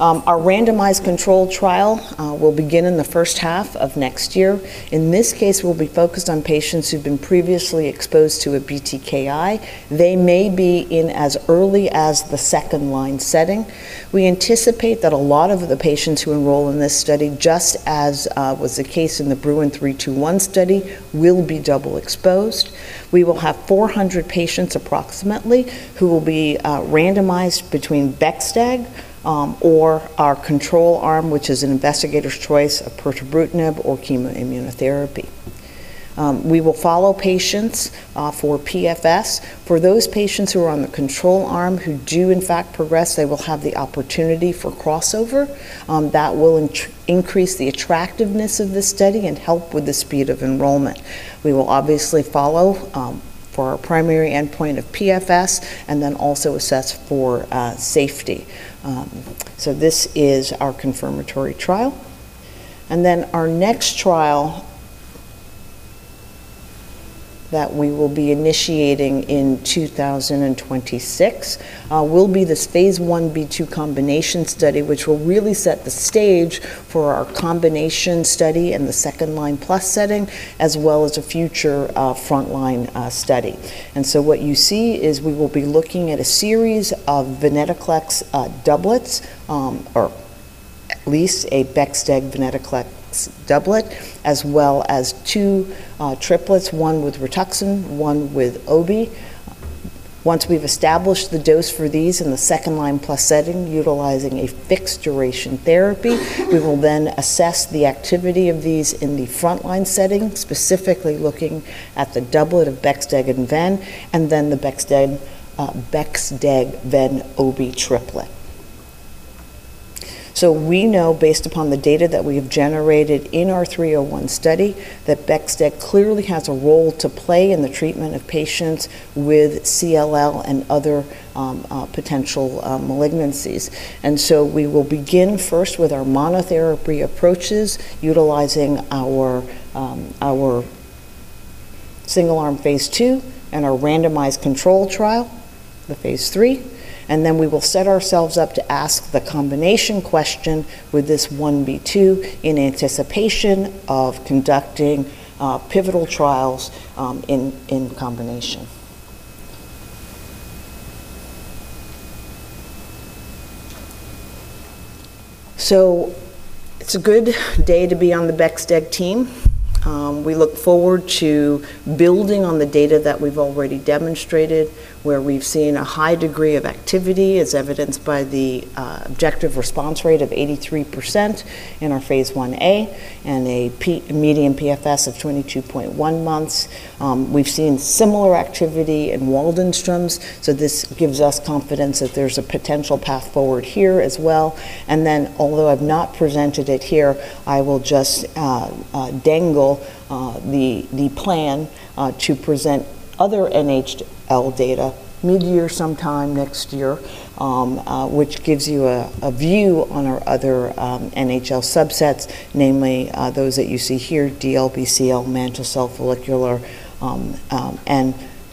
S3: Our randomized control trial will begin in the first half of next year. In this case, we'll be focused on patients who've been previously exposed to a BTKi. They may be in as early as the second-line setting. We anticipate that a lot of the patients who enroll in this study, just as was the case in the BRUIN 321 study, will be double-exposed. We will have 400 patients approximately who will be randomized between BexDeg or our control arm, which is an investigator's choice of pirtobrutinib or chemoimmunotherapy. We will follow patients for PFS. For those patients who are on the control arm who do, in fact, progress, they will have the opportunity for crossover. That will increase the attractiveness of this study and help with the speed of enrollment. We will obviously follow for our primary endpoint of PFS and then also assess for safety. So this is our confirmatory trial. And then our next trial that we will be initiating in 2026 will be this phase I-B/II combination study, which will really set the stage for our combination study in the second-line+ setting, as well as a future front-line study. And so what you see is we will be looking at a series of venetoclax doublets or at least a BexDeg venetoclax doublet, as well as two triplets, one with Rituxan, one with Obi. Once we've established the dose for these in the second-line+ setting, utilizing a fixed-duration therapy, we will then assess the activity of these in the front-line setting, specifically looking at the doublet of BexDeg and venetoclax, and then the BexDeg, venetoclax, Obi triplet. So we know, based upon the data that we have generated in our 101 study, that BexDeg clearly has a role to play in the treatment of patients with CLL and other potential malignancies. And so we will begin first with our monotherapy approaches, utilizing our single-arm phase II and our randomized control trial, the phase III. And then we will set ourselves up to ask the combination question with this phase I-B/II in anticipation of conducting pivotal trials in combination. So it's a good day to be on the BexDeg team. We look forward to building on the data that we've already demonstrated, where we've seen a high degree of activity, as evidenced by the objective response rate of 83% in our phase I-A and a median PFS of 22.1 months. We've seen similar activity in Waldenstrom's. This gives us confidence that there's a potential path forward here as well. Then, although I've not presented it here, I will just dangle the plan to present other NHL data mid-year sometime next year, which gives you a view on our other NHL subsets, namely those that you see here: DLBCL, mantle cell, follicular.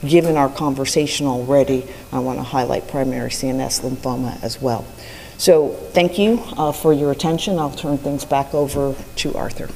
S3: Given our conversation already, I want to highlight primary CNS lymphoma as well. Thank you for your attention. I'll turn things back over to Arthur.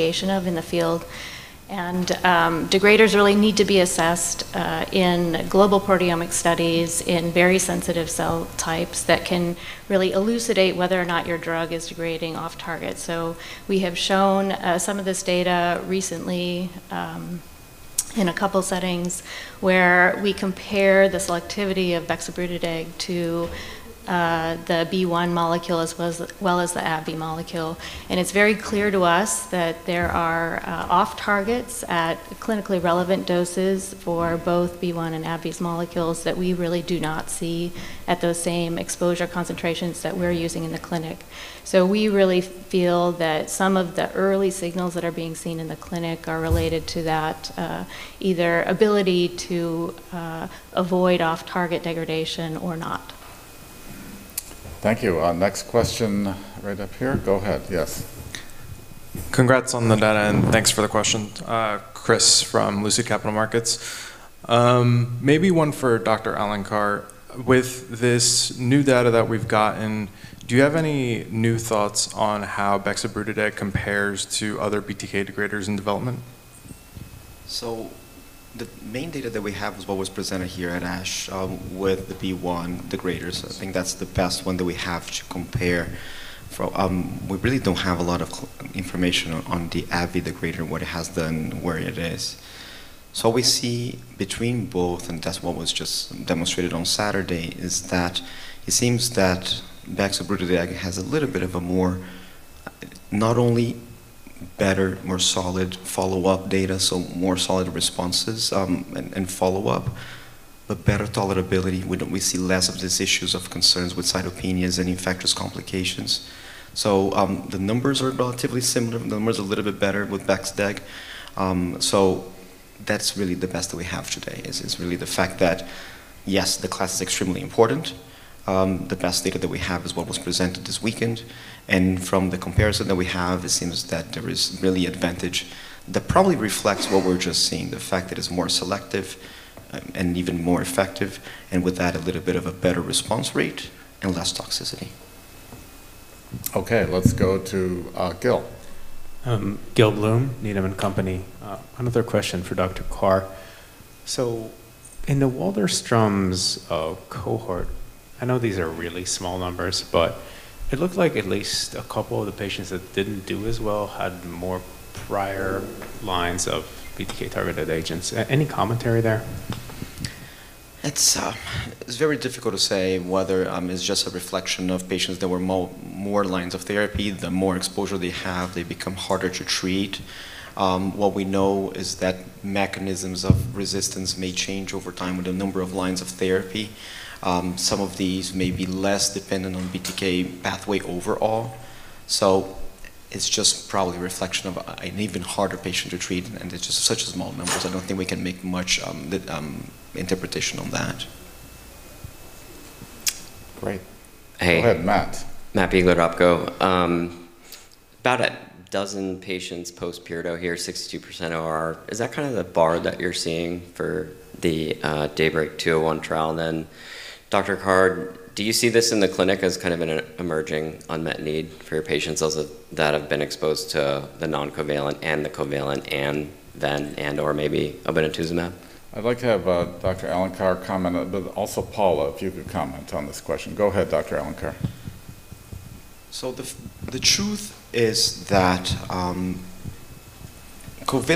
S4: In the field, degraders really need to be assessed in global proteomic studies in very sensitive cell types that can really elucidate whether or not your drug is degrading off target. We have shown some of this data recently in a couple of settings where we compare the selectivity of bexobrutideg to the BeiGene molecule as well as the AbbVie molecule. It's very clear to us that there are off-targets at clinically relevant doses for both BeiGene molecule and AbbVie molecules that we really do not see at those same exposure concentrations that we're using in the clinic. So we really feel that some of the early signals that are being seen in the clinic are related to that either ability to avoid off-target degradation or not.
S1: Thank you. Next question right up here. Go ahead. Yes.
S5: Congrats on the data, and thanks for the question, Chris from Lucid Capital Markets. Maybe one for Dr. Alencar. With this new data that we've gotten, do you have any new thoughts on how bexobrutideg compares to other BTK degraders in development?
S2: So the main data that we have is what was presented here at ASH with the BeiGene degraders. I think that's the best one that we have to compare. We really don't have a lot of information on the AbbVie degrader, what it has done, where it is. So we see between both, and that's what was just demonstrated on Saturday, is that it seems that bexobrutideg has a little bit of a more not only better, more solid follow-up data, so more solid responses and follow-up, but better tolerability. We see less of these issues of concerns with cytopenias and infectious complications. So the numbers are relatively similar. The numbers are a little bit better with BexDeg. So that's really the best that we have today, is really the fact that, yes, the class is extremely important. The best data that we have is what was presented this weekend. From the comparison that we have, it seems that there is really advantage that probably reflects what we're just seeing, the fact that it's more selective and even more effective, and with that, a little bit of a better response rate and less toxicity.
S1: Okay, let's go to Gil.
S6: Gil Blum, Needham & Company. Another question for Dr. Alencar. So in the Waldenstrom's cohort, I know these are really small numbers, but it looked like at least a couple of the patients that didn't do as well had more prior lines of BTK-targeted agents. Any commentary there?
S2: It's very difficult to say whether it's just a reflection of patients that were more lines of therapy. The more exposure they have, they become harder to treat. What we know is that mechanisms of resistance may change over time with the number of lines of therapy. Some of these may be less dependent on BTK pathway overall. So it's just probably a reflection of an even harder patient to treat, and it's just such small numbers. I don't think we can make much interpretation on that.
S1: Great. Hey. Go ahead, Matt.
S7: Matthew Biegler from Oppenheimer. About a dozen patients post-pirtobrutinib here, 62% ORR. Is that kind of the bar that you're seeing for the DAYBreak 201 trial? And then, Dr. Alencar, do you see this in the clinic as kind of an emerging unmet need for your patients that have been exposed to the noncovalent and the covalent and venetoclax and/or maybe obinutuzumab?
S1: I'd like to have Dr. Alencar comment, but also Paula, if you could comment on this question. Go ahead, Dr. Alencar.
S2: So the truth is that covalent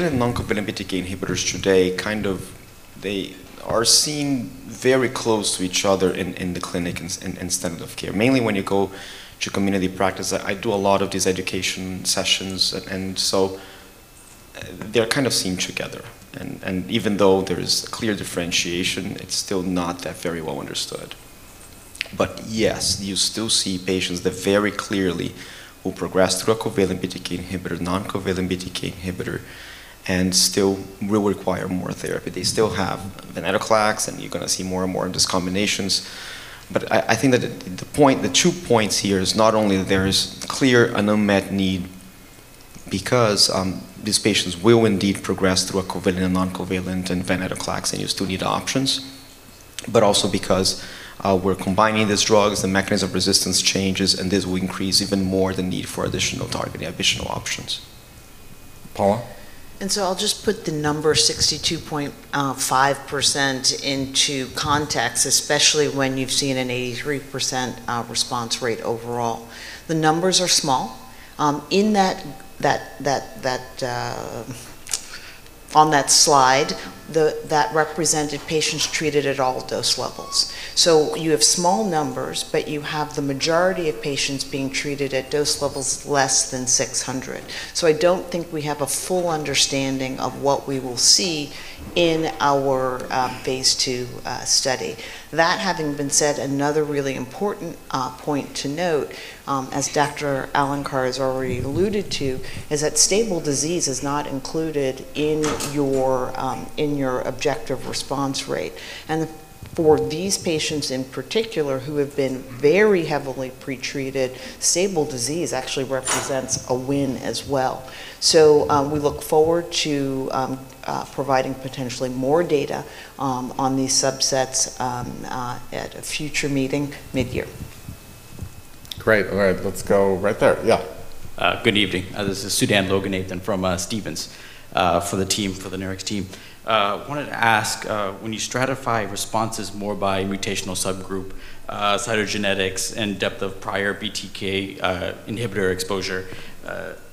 S2: and noncovalent BTK inhibitors today, kind of they are seen very close to each other in the clinic and standard of care, mainly when you go to community practice. I do a lot of these education sessions, and so they're kind of seen together. And even though there is a clear differentiation, it's still not that very well understood. But yes, you still see patients that very clearly will progress through a covalent BTK inhibitor, noncovalent BTK inhibitor, and still will require more therapy. They still have venetoclax, and you're going to see more and more in these combinations. But I think that the two points here is not only that there is a clear unmet need because these patients will indeed progress through a covalent and noncovalent and venetoclax, and you still need options, but also because we're combining these drugs, the mechanism of resistance changes, and this will increase even more the need for additional targeting, additional options.
S1: Paula?
S3: And so I'll just put the number 62.5% into context, especially when you've seen an 83% response rate overall. The numbers are small. In that on that slide, that represented patients treated at all dose levels. So you have small numbers, but you have the majority of patients being treated at dose levels less than 600 mg. So I don't think we have a full understanding of what we will see in our phase II study. That having been said, another really important point to note, as Dr. Alencar has already alluded to, is that stable disease is not included in your objective response rate. And for these patients in particular who have been very heavily pretreated, stable disease actually represents a win as well. So we look forward to providing potentially more data on these subsets at a future meeting mid-year.
S1: Great. All right, let's go right there.
S8: Yeah. Good evening. This is Sudan Loganathan from Stephens for the team, for the Nurix team. I wanted to ask, when you stratify responses more by mutational subgroup, cytogenetics, and depth of prior BTK inhibitor exposure,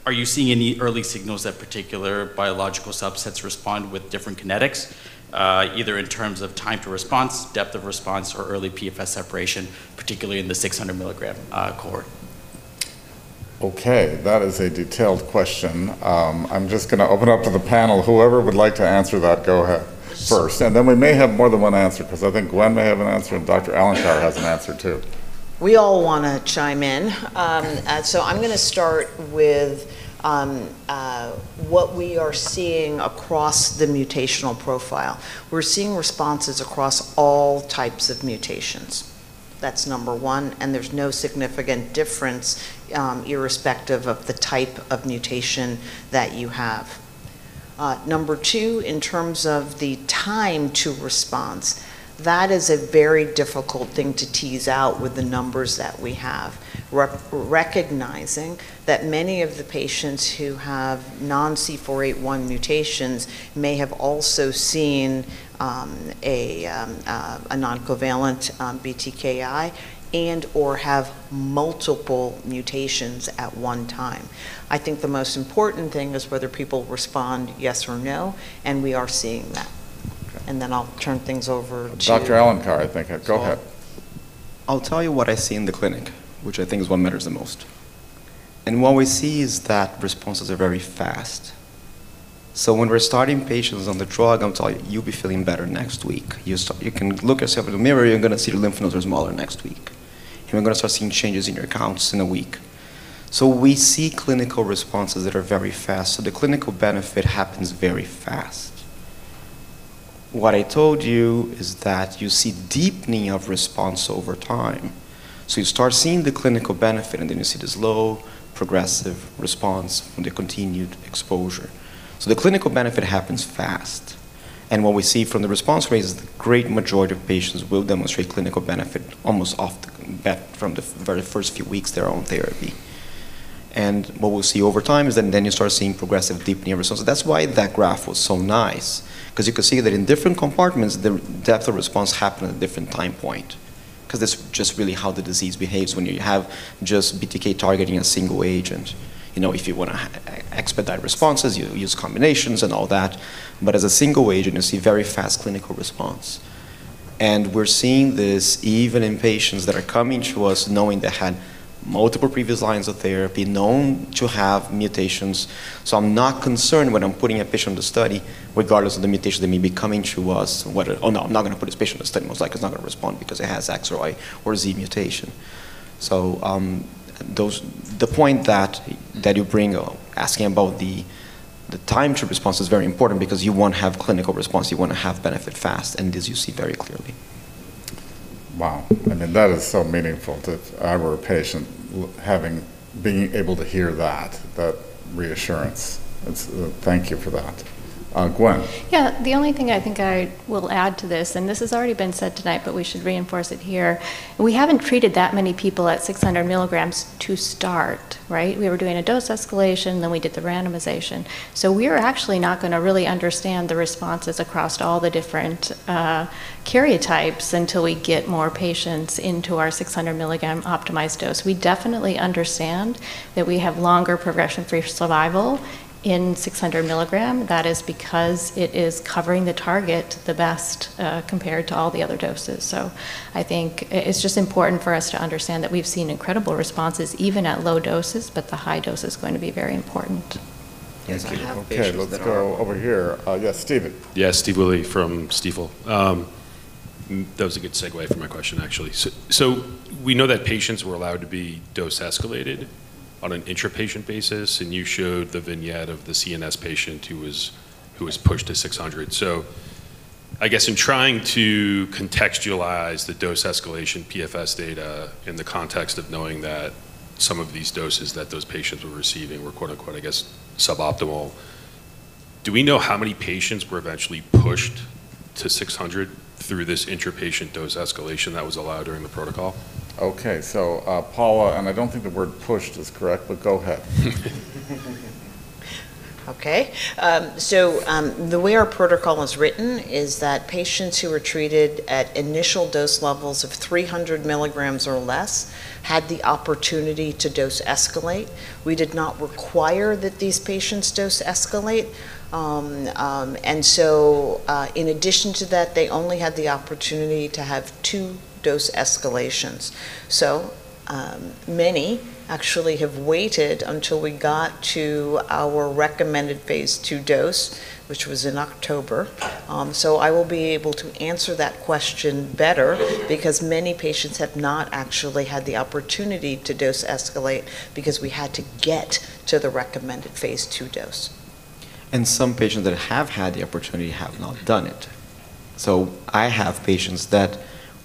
S8: are you seeing any early signals that particular biological subsets respond with different kinetics, either in terms of time to response, depth of response, or early PFS separation, particularly in the 600 mg cohort?
S1: Okay, that is a detailed question. I'm just going to open up to the panel. Whoever would like to answer that, go ahead first. And then we may have more than one answer because I think Gwenn may have an answer, and Dr. Alencar has an answer too.
S3: We all want to chime in. So I'm going to start with what we are seeing across the mutational profile. We're seeing responses across all types of mutations. That's number one, and there's no significant difference irrespective of the type of mutation that you have. Number two, in terms of the time to response, that is a very difficult thing to tease out with the numbers that we have, recognizing that many of the patients who have non-C481 mutations may have also seen a noncovalent BTKI and/or have multiple mutations at one time. I think the most important thing is whether people respond yes or no, and we are seeing that. And then I'll turn things over to.
S1: Dr. Alencar, I think. Go ahead.
S2: I'll tell you what I see in the clinic, which I think is what matters the most. And what we see is that responses are very fast. So when we're starting patients on the drug, I'll tell you, you'll be feeling better next week. You can look yourself in the mirror, you're going to see your lymph nodes are smaller next week, and you're going to start seeing changes in your counts in a week. So we see clinical responses that are very fast. So the clinical benefit happens very fast. What I told you is that you see deepening of response over time. So you start seeing the clinical benefit, and then you see this low progressive response from the continued exposure. So the clinical benefit happens fast. And what we see from the response rate is the great majority of patients will demonstrate clinical benefit almost off the bat from the very first few weeks they're on therapy. And what we'll see over time is that then you start seeing progressive deepening of response. That's why that graph was so nice, because you can see that in different compartments, the depth of response happened at a different time point, because that's just really how the disease behaves when you have just BTK targeting a single agent. If you want to expedite responses, you use combinations and all that. But as a single agent, you see very fast clinical response. And we're seeing this even in patients that are coming to us knowing they had multiple previous lines of therapy, known to have mutations. I'm not concerned when I'm putting a patient on the study, regardless of the mutation that may be coming to us. Oh, no, I'm not going to put this patient on the study. Most likely, it's not going to respond because it has X or Y or Z mutation. The point that you bring asking about the time to response is very important because you want to have clinical response. You want to have benefit fast, and this you see very clearly.
S1: Wow. I mean, that is so meaningful to our patient, being able to hear that, that reassurance. Thank you for that. Gwen?
S4: Yeah, the only thing I think I will add to this, and this has already been said tonight, but we should reinforce it here. We haven't treated that many people at 600 mg to start, right? We were doing a dose escalation, then we did the randomization. So we're actually not going to really understand the responses across all the different karyotypes until we get more patients into our 600 mg optimized dose. We definitely understand that we have longer progression-free survival in 600 mg. That is because it is covering the target the best compared to all the other doses. So I think it's just important for us to understand that we've seen incredible responses even at low doses, but the high dose is going to be very important.
S8: Thank you.
S1: Okay, let's go over here. Yes, Stephen.
S9: Yes, Stephen Willey from Stifel. That was a good segue for my question, actually. So we know that patients were allowed to be dose escalated on an intrapatient basis, and you showed the vignette of the CNS patient who was pushed to 600 mg. So I guess in trying to contextualize the dose escalation PFS data in the context of knowing that some of these doses that those patients were receiving were, quote-unquote, I guess, suboptimal, do we know how many patients were eventually pushed to 600 mg through this intrapatient dose escalation that was allowed during the protocol?
S1: Okay, so Paula, and I don't think the word pushed is correct, but go ahead.
S3: Okay. So the way our protocol is written is that patients who were treated at initial dose levels of 300 mg or less had the opportunity to dose escalate. We did not require that these patients dose escalate. And so in addition to that, they only had the opportunity to have two dose escalations. So many actually have waited until we got to our recommended phase two dose, which was in October. So I will be able to answer that question better because many patients have not actually had the opportunity to dose escalate because we had to get to the recommended phase two dose.
S2: And some patients that have had the opportunity have not done it. So I have patients that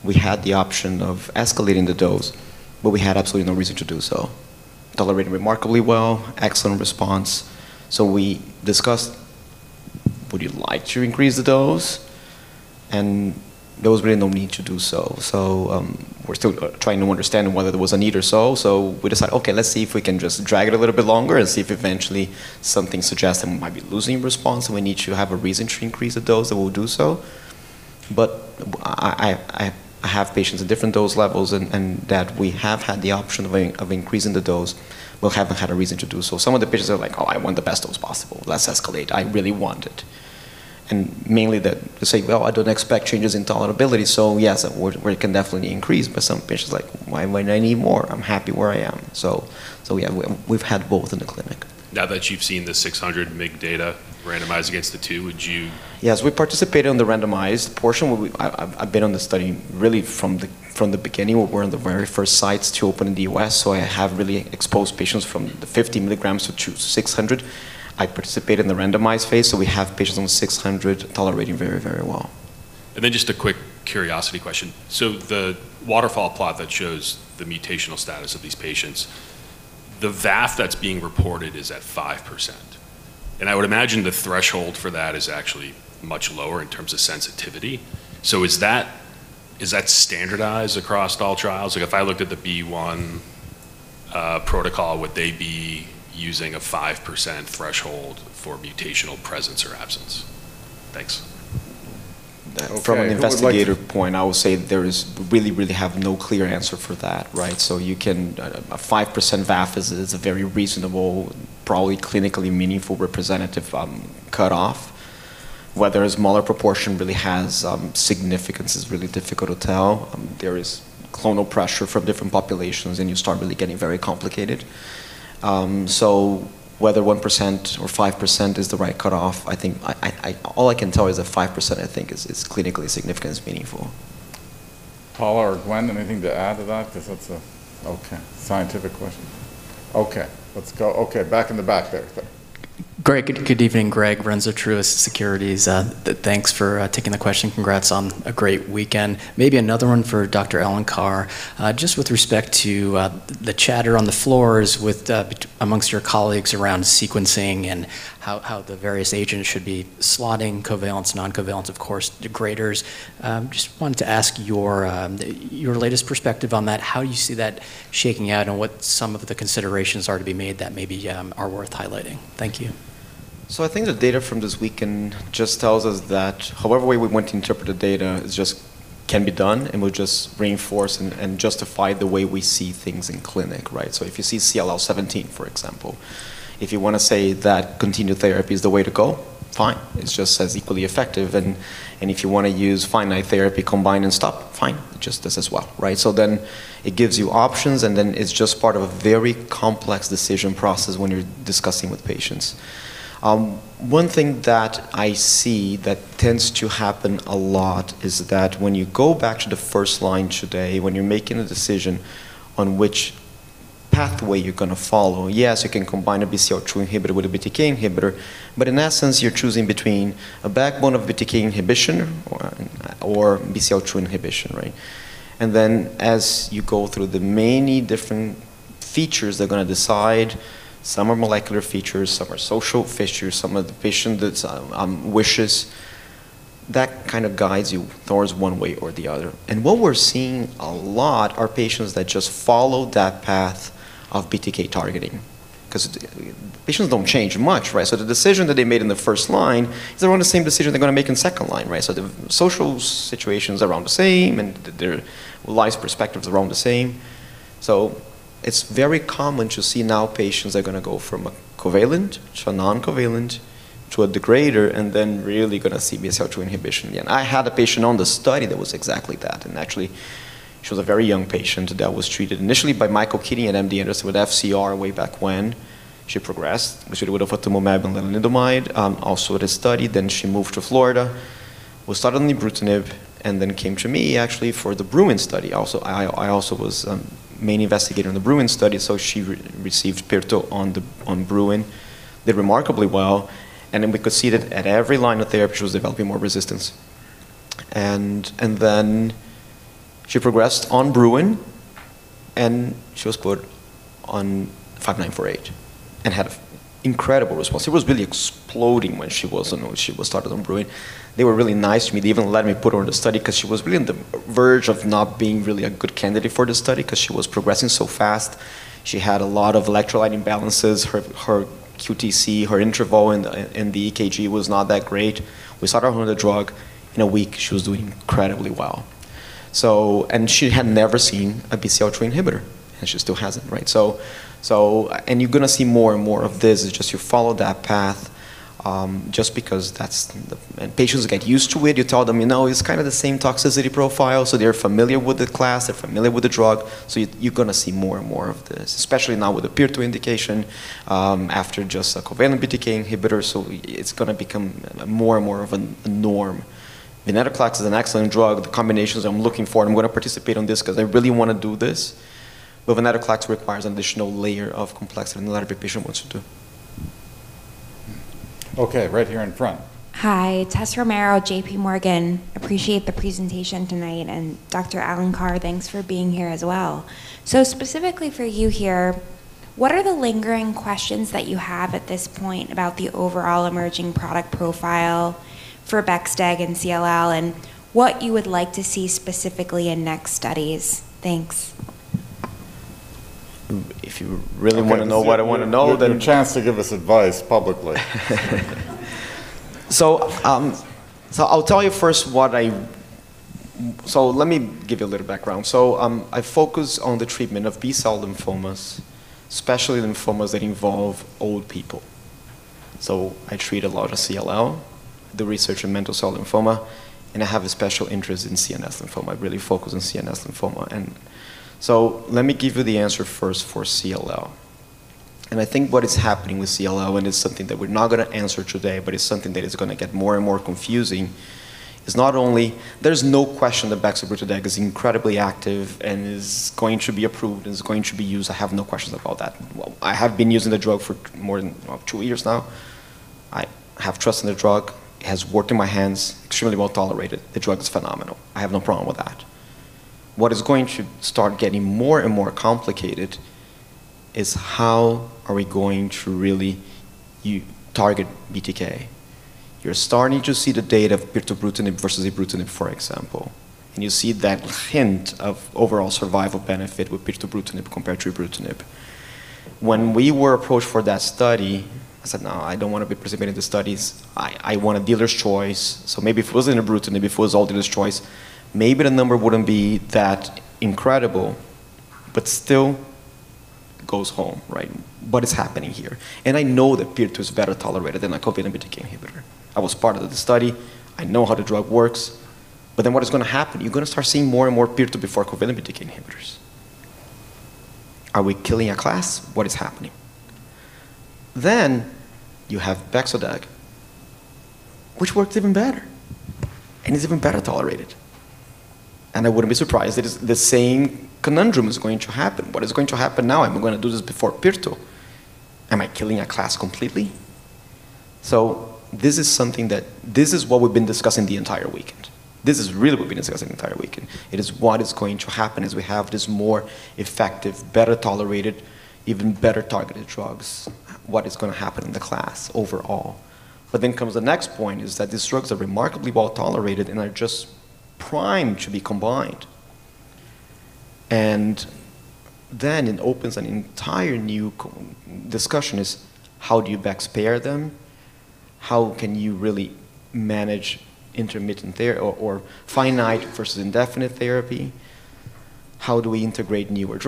S2: we had the option of escalating the dose, but we had absolutely no reason to do so. Tolerated remarkably well, excellent response. So we discussed, would you like to increase the dose? And there was really no need to do so. So we're still trying to understand whether there was a need or so. So we decided, okay, let's see if we can just drag it a little bit longer and see if eventually something suggests that we might be losing response. We need to have a reason to increase the dose that we'll do so. I have patients at different dose levels and that we have had the option of increasing the dose, but haven't had a reason to do so. Some of the patients are like, "Oh, I want the best dose possible. Let's escalate. I really want it." And mainly that they say, "Well, I don't expect changes in tolerability. So yes, we can definitely increase." But some patients are like, "Why wouldn't I need more? I'm happy where I am." So we've had both in the clinic.
S9: Now that you've seen the 600 mg data randomized against the 200 mg, would you?
S2: Yes, we participated in the randomized portion. I've been on the study really from the beginning. We're on the very first sites to open in the U.S. So I have really exposed patients from the 50 mg-600 mg. I participated in the randomized phase. We have patients on 600 mg tolerating very, very well.
S9: Then just a quick curiosity question. The waterfall plot that shows the mutational status of these patients, the VAF that's being reported is at 5%. I would imagine the threshold for that is actually much lower in terms of sensitivity. Is that standardized across all trials? If I looked at the BeiGene protocol, would they be using a 5% threshold for mutational presence or absence? Thanks.
S2: From an investigator point, I will say there is really, really have no clear answer for that, right? A 5% VAF is a very reasonable, probably clinically meaningful representative cutoff. Whether a smaller proportion really has significance is really difficult to tell. There is clonal pressure from different populations, and you start really getting very complicated. So whether 1% or 5% is the right cutoff, I think all I can tell is that 5%, I think, is clinically significant and meaningful.
S1: Paula or Gwenn, anything to add to that? Because that's an okay scientific question. Okay, let's go. Okay, back in the back there.
S10: Greg, good evening. Greg Renza of Truist Securities. Thanks for taking the question. Congrats on a great weekend. Maybe another one for Dr. Alencar. Just with respect to the chatter on the floors amongst your colleagues around sequencing and how the various agents should be slotting, covalent, noncovalent, of course, degraders. Just wanted to ask your latest perspective on that. How do you see that shaking out and what some of the considerations are to be made that maybe are worth highlighting? Thank you.
S2: So I think the data from this weekend just tells us that however way we want to interpret the data can be done, and we'll just reinforce and justify the way we see things in clinic, right? So if you see CLL17, for example, if you want to say that continued therapy is the way to go, fine. It just says equally effective. And if you want to use finite therapy, combine and stop, fine. It just does as well, right? So then it gives you options, and then it's just part of a very complex decision process when you're discussing with patients. One thing that I see that tends to happen a lot is that when you go back to the first line today, when you're making a decision on which pathway you're going to follow, yes, you can combine a BCL2 inhibitor with a BTK inhibitor, but in essence, you're choosing between a backbone of BTK inhibition or BCL2 inhibition, right? And then as you go through the many different features, they're going to decide some are molecular features, some are social features, some are the patient's wishes. That kind of guides you towards one way or the other. And what we're seeing a lot are patients that just follow that path of BTK targeting because patients don't change much, right? So the decision that they made in the first line is around the same decision they're going to make in the second line, right? So the social situation's around the same, and their life perspective's around the same. So it's very common to see now patients that are going to go from a covalent to a noncovalent to a degrader, and then really going to see BCL2 inhibition. And I had a patient on the study that was exactly that. And actually, she was a very young patient that was treated initially by Michael Keating at MD Anderson with FCR way back when. She progressed with everolimus and lenalidomide. Also at a study, then she moved to Florida, was started on ibrutinib, and then came to me actually for the BRUIN study. I also was main investigator in the BRUIN study, so she received pirtobrutinib on BRUIN. Did remarkably well. And then we could see that at every line of therapy, she was developing more resistance. And then she progressed on BRUIN, and she was put on 5948 and had an incredible response. It was really exploding when she was started on BRUIN. They were really nice to me. They even let me put her on the study because she was really on the verge of not being really a good candidate for the study because she was progressing so fast. She had a lot of electrolyte imbalances. Her QTc, her interval in the EKG was not that great. We started her on the drug. In a week, she was doing incredibly well. And she had never seen a BCL2 inhibitor, and she still hasn't, right? And you're going to see more and more of this. It's just you follow that path just because that's the patients get used to it. You tell them, you know, it's kind of the same toxicity profile. So they're familiar with the class. They're familiar with the drug. So you're going to see more and more of this, especially now with the pirtobrutinib indication after just a covalent BTK inhibitor. So it's going to become more and more of a norm. venetoclax is an excellent drug. The combinations I'm looking for, I'm going to participate on this because I really want to do this. But venetoclax requires an additional layer of complexity than a lot of patients want to do.
S1: Okay, right here in front.
S11: Hi, Tessa Romero, JPMorgan. Appreciate the presentation tonight. And Dr. Alencar, thanks for being here as well. So specifically for you here, what are the lingering questions that you have at this point about the overall emerging product profile for BexDeg and CLL and what you would like to see specifically in next studies? Thanks.
S1: If you really want to know what I want to know, then you have a chance to give us advice publicly.
S2: So I'll tell you first what I so let me give you a little background. So I focus on the treatment of B-cell lymphomas, especially lymphomas that involve old people. So I treat a lot of CLL, the research in mantle cell lymphoma, and I have a special interest in CNS lymphoma. I really focus on CNS lymphoma. And so let me give you the answer first for CLL. And I think what is happening with CLL, and it's something that we're not going to answer today, but it's something that is going to get more and more confusing, is not only there's no question that BexDeg is incredibly active and is going to be approved and is going to be used. I have no questions about that. I have been using the drug for more than two years now. I have trust in the drug. It has worked in my hands, extremely well tolerated. The drug is phenomenal. I have no problem with that. What is going to start getting more and more complicated is how are we going to really target BTK. You're starting to see the data of pirtobrutinib versus ibrutinib, for example. And you see that hint of overall survival benefit with pirtobrutinib compared to ibrutinib. When we were approached for that study, I said, "No, I don't want to be participating in the studies. I want a dealer's choice." So maybe if it wasn't ibrutinib, if it was all dealer's choice, maybe the number wouldn't be that incredible, but still goes home, right? But it's happening here. And I know that pirtobrutinib is better tolerated than a covalent BTK inhibitor. I was part of the study. I know how the drug works, but then what is going to happen? You're going to start seeing more and more pirtobrutinib before covalent BTK inhibitors. Are we killing a class? What is happening? Then you have BexDeg, which works even better and is even better tolerated, and I wouldn't be surprised that the same conundrum is going to happen. What is going to happen now? I'm going to do this before pirtobrutinib. Am I killing a class completely? So this is something that this is what we've been discussing the entire weekend. This is really what we've been discussing the entire weekend. It is what is going to happen as we have this more effective, better tolerated, even better targeted drugs, what is going to happen in the class overall. But then comes the next point is that these drugs are remarkably well tolerated and are just primed to be combined. And then it opens an entire new discussion is how do you BexDeg pair them? How can you really manage intermittent or finite versus indefinite therapy? How do we integrate newer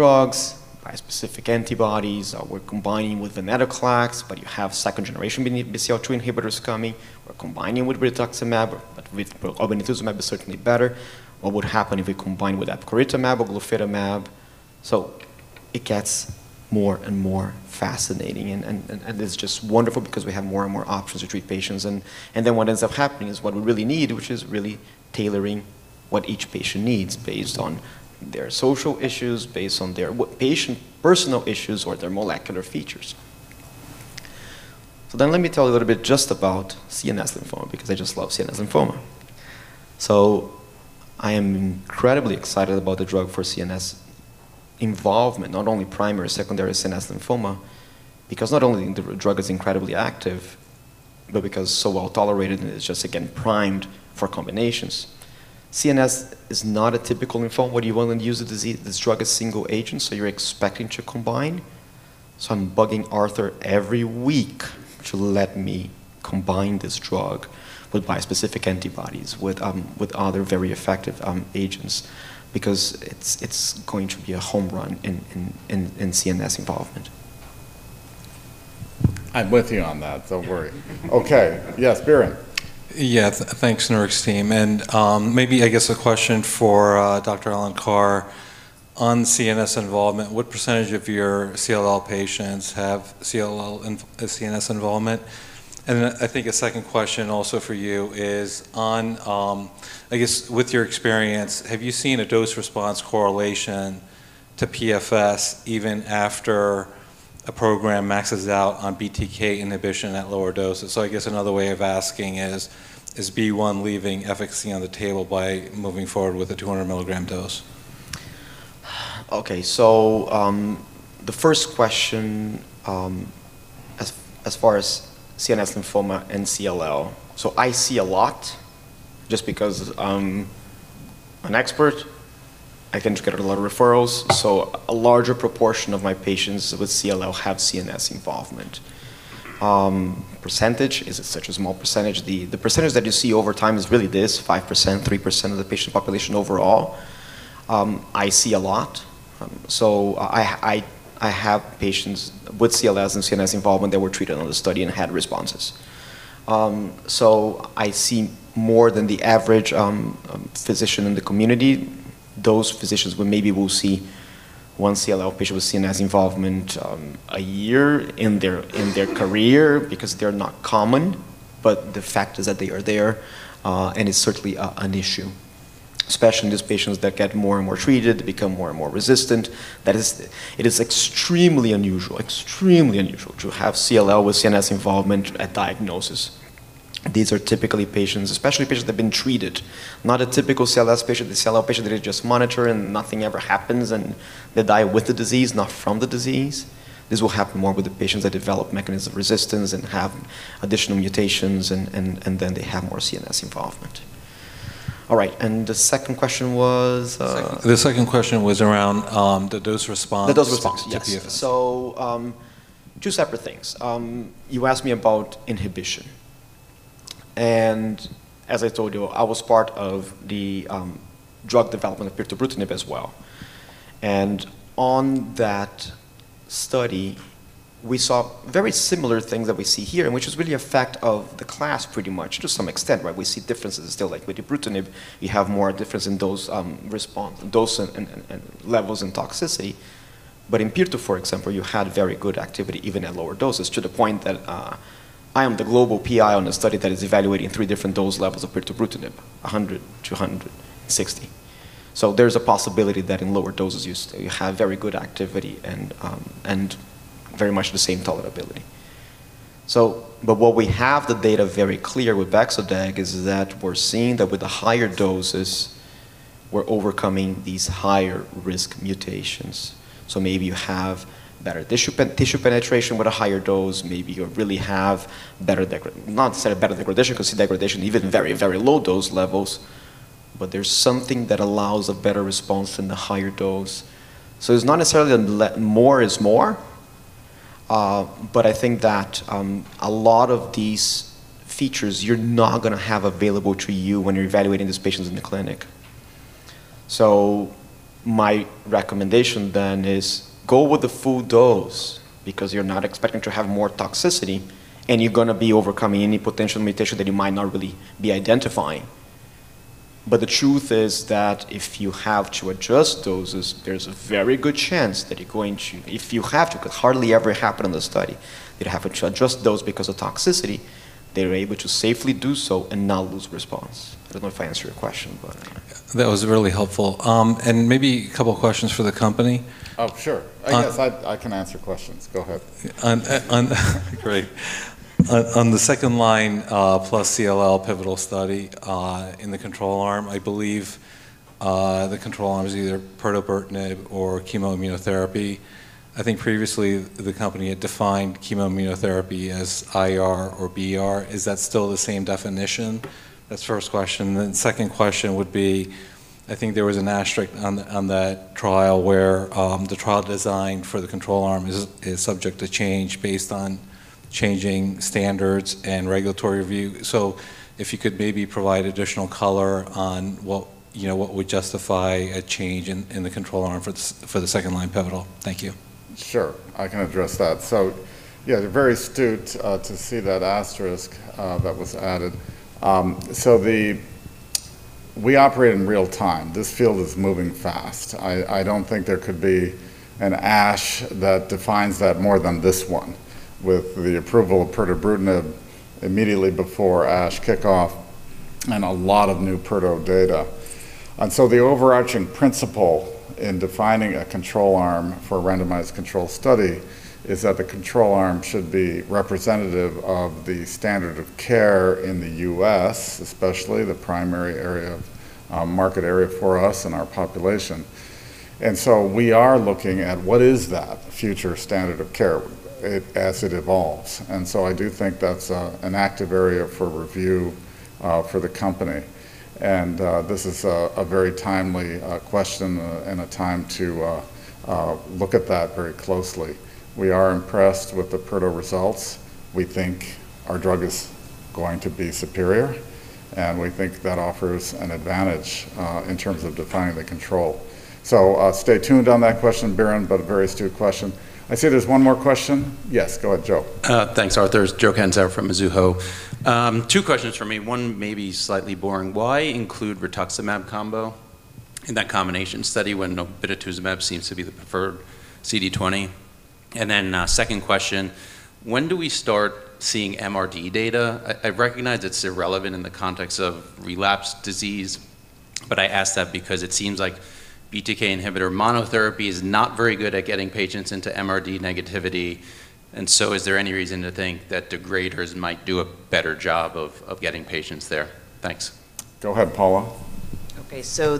S2: drugs, bispecific antibodies? We're combining with venetoclax, but you have second-generation BCL2 inhibitors coming. We're combining with rituximab, but obinutuzumab is certainly better. What would happen if we combine with epcoritamab or glofitamab? So it gets more and more fascinating. And it's just wonderful because we have more and more options to treat patients. And then what ends up happening is what we really need, which is really tailoring what each patient needs based on their social issues, based on their patient personal issues, or their molecular features. So then let me tell you a little bit just about CNS lymphoma because I just love CNS lymphoma. So I am incredibly excited about the drug for CNS involvement, not only primary and secondary CNS lymphoma, because not only the drug is incredibly active, but because it's so well tolerated and it's just, again, primed for combinations. CNS is not a typical lymphoma. What do you want to use this drug as single agent? So you're expecting to combine. So I'm bugging Arthur every week to let me combine this drug with bispecific antibodies, with other very effective agents, because it's going to be a home run in CNS involvement.
S1: I'm with you on that. Don't worry. Okay. Yes, Biren.
S12: Yeah, thanks, Nurix team. And maybe, I guess, a question for Dr. Alencar. On CNS involvement, what percentage of your CLL patients have CNS involvement? I think a second question also for you is, I guess, with your experience, have you seen a dose-response correlation to PFS even after a program maxes out on BTK inhibition at lower doses? I guess another way of asking is, is BeiGene leaving efficacy on the table by moving forward with a 200 mg dose?
S2: The first question as far as CNS lymphoma and CLL. I see a lot just because I'm an expert. I can get a lot of referrals. A larger proportion of my patients with CLL have CNS involvement. Percentage is such a small percentage. The percentage that you see over time is really this: 5%, 3% of the patient population overall. I see a lot. I have patients with CLL and CNS involvement that were treated on the study and had responses. So I see more than the average physician in the community. Those physicians maybe will see one CLL patient with CNS involvement a year in their career because they're not common, but the fact is that they are there, and it's certainly an issue, especially in these patients that get more and more treated, become more and more resistant. It is extremely unusual, extremely unusual to have CLL with CNS involvement at diagnosis. These are typically patients, especially patients that have been treated, not a typical CLL patient, the CLL patient that is just monitored and nothing ever happens, and they die with the disease, not from the disease. This will happen more with the patients that develop mechanism of resistance and have additional mutations, and then they have more CNS involvement. All right. And the second question was? The second question was around the dose response to PFS. So two separate things. You asked me about inhibition. And as I told you, I was part of the drug development of pirtobrutinib as well. And on that study, we saw very similar things that we see here, which is really a fact of the class pretty much to some extent, right? We see differences still like with ibrutinib. You have more difference in dose levels and toxicity. But in pirtobrutinib, for example, you had very good activity even at lower doses to the point that I am the global PI on a study that is evaluating three different dose levels of pirtobrutinib, 100 mg, 200 mg, 600 mg. So there's a possibility that in lower doses, you have very good activity and very much the same tolerability. But what we have the data very clear with BexDeg is that we're seeing that with the higher doses, we're overcoming these higher risk mutations. So maybe you have better tissue penetration with a higher dose. Maybe you really have better degradation, not necessarily better degradation because you see degradation even at very, very low dose levels, but there's something that allows a better response than the higher dose. So it's not necessarily that more is more, but I think that a lot of these features you're not going to have available to you when you're evaluating these patients in the clinic. So my recommendation then is go with the full dose because you're not expecting to have more toxicity, and you're going to be overcoming any potential mutation that you might not really be identifying. But the truth is that if you have to adjust doses, there's a very good chance that you're going to, if you have to, because it hardly ever happened in the study, they'd have to adjust dose because of toxicity. They were able to safely do so and not lose response. I don't know if I answered your question, but.
S12: That was really helpful. And maybe a couple of questions for the company?
S1: Oh, sure. Yes, I can answer questions. Go ahead.
S12: Great. On the second line plus CLL pivotal study in the control arm, I believe the control arm is either pirtobrutinib or chemoimmunotherapy. I think previously the company had defined chemoimmunotherapy as IR or BR. Is that still the same definition? That's the first question. And then the second question would be, I think there was an asterisk on that trial where the trial design for the control arm is subject to change based on changing standards and regulatory review. So if you could maybe provide additional color on what would justify a change in the control arm for the second-line pivotal. Thank you.
S1: Sure. I can address that. So yeah, very astute to see that asterisk that was added. So we operate in real time. This field is moving fast. I don't think there could be an ASH that defines that more than this one with the approval of pirtobrutinib immediately before ASH kickoff and a lot of new pirtobrutinib data. And so the overarching principle in defining a control arm for a randomized control study is that the control arm should be representative of the standard of care in the U.S., especially the primary market area for us and our population. And so we are looking at what is that future standard of care as it evolves. And so I do think that's an active area for review for the company. And this is a very timely question and a time to look at that very closely. We are impressed with the pirtobrutinib results. We think our drug is going to be superior, and we think that offers an advantage in terms of defining the control. So stay tuned on that question, Biren, but a very astute question. I see there's one more question. Yes, go ahead, Joseph.
S13: Thanks, Arthur. Joseph Catanzaro from Mizuho. Two questions for me. One may be slightly boring. Why include rituximab combo in that combination study when obinutuzumab seems to be the preferred CD20? And then second question, when do we start seeing MRD data? I recognize it's irrelevant in the context of relapse disease, but I ask that because it seems like BTK inhibitor monotherapy is not very good at getting patients into MRD negativity. And so is there any reason to think that degraders might do a better job of getting patients there? Thanks.
S1: Go ahead, Paula.
S3: Okay, so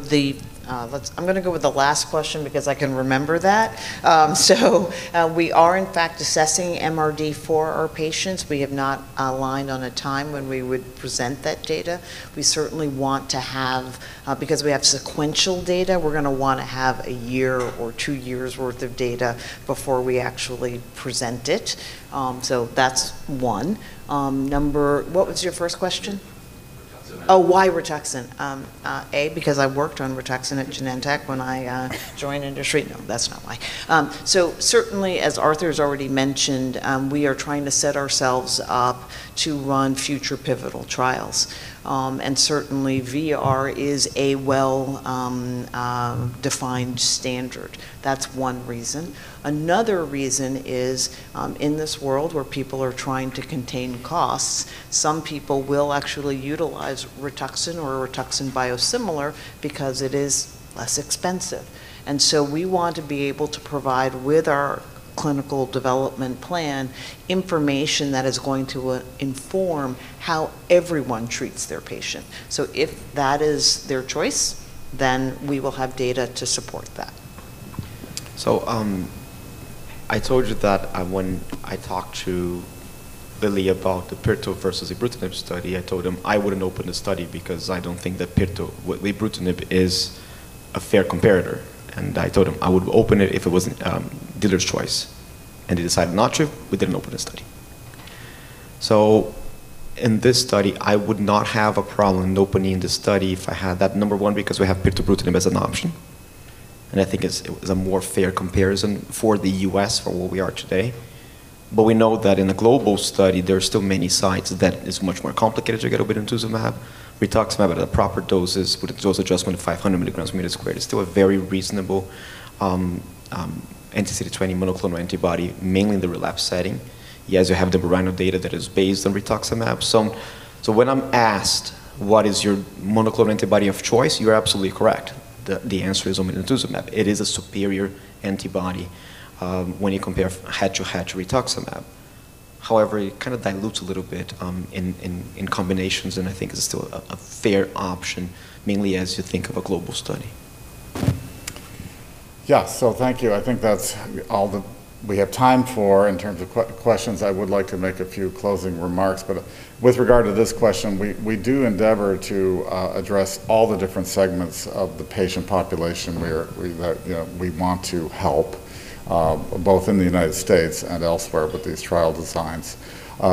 S3: I'm going to go with the last question because I can remember that. So we are, in fact, assessing MRD for our patients. We have not aligned on a time when we would present that data. We certainly want to have, because we have sequential data, we're going to want to have a year or two years' worth of data before we actually present it. So that's one. What was your first question? rituximab. Oh, why rituximab? A, because I worked on rituximab at Genentech when I joined industry. No, that's not why. So certainly, as Arthur has already mentioned, we are trying to set ourselves up to run future pivotal trials. And certainly, VR is a well-defined standard. That's one reason. Another reason is in this world where people are trying to contain costs, some people will actually utilize rituximab or rituximab biosimilar because it is less expensive. And so we want to be able to provide with our clinical development plan information that is going to inform how everyone treats their patient. So if that is their choice, then we will have data to support that.
S2: So I told you that when I talked to Billy about thepirtobrutinib versus ibrutinib study, I told him I wouldn't open the study because I don't think that Pirto with ibrutinib is a fair comparator. And I told him I would open it if it was dealer's choice. And he decided not to, we didn't open the study. So in this study, I would not have a problem opening the study if I had that number one because we have pirtobrutinib as an option. And I think it's a more fair comparison for the U.S. for where we are today. But we know that in a global study, there are still many sites that it's much more complicated to get obinutuzumab, rituximab at the proper doses with a dose adjustment of 500 mg per meter squared. It's still a very reasonable anti-CD20 monoclonal antibody, mainly in the relapse setting. Yes, you have the bendamustine data that is based on rituximab. So when I'm asked, what is your monoclonal antibody of choice? You're absolutely correct. The answer is obinutuzumab. It is a superior antibody when you compare head-to-head to rituximab. However, it kind of dilutes a little bit in combinations, and I think it's still a fair option, mainly as you think of a global study.
S1: Yeah, so thank you. I think that's all that we have time for in terms of questions. I would like to make a few closing remarks, but with regard to this question, we do endeavor to address all the different segments of the patient population that we want to help, both in the United States and elsewhere with these trial designs.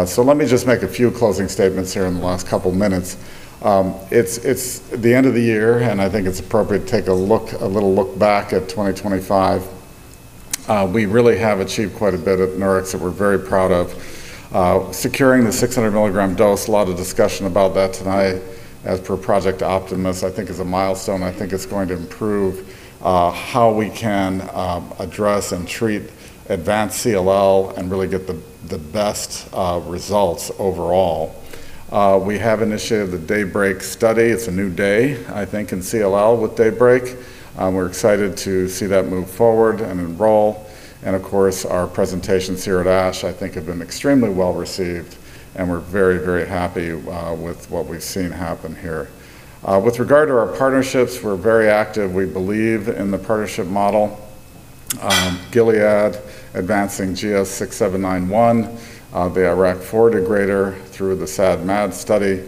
S1: So let me just make a few closing statements here in the last couple of minutes. It's the end of the year, and I think it's appropriate to take a little look back at 2025. We really have achieved quite a bit at Nurix that we're very proud of. Securing the 600 mg dose, a lot of discussion about that tonight as per Project Optimus, I think is a milestone. I think it's going to improve how we can address and treat advanced CLL and really get the best results overall. We have initiated the DAYBreak study. It's a new day, I think, in CLL with DAYBreak. We're excited to see that move forward and enroll. And of course, our presentations here at ASH, I think, have been extremely well received, and we're very, very happy with what we've seen happen here. With regard to our partnerships, we're very active. We believe in the partnership model. Gilead advancing GS-6791, the IRAK4 degrader through the SAD/MAD study.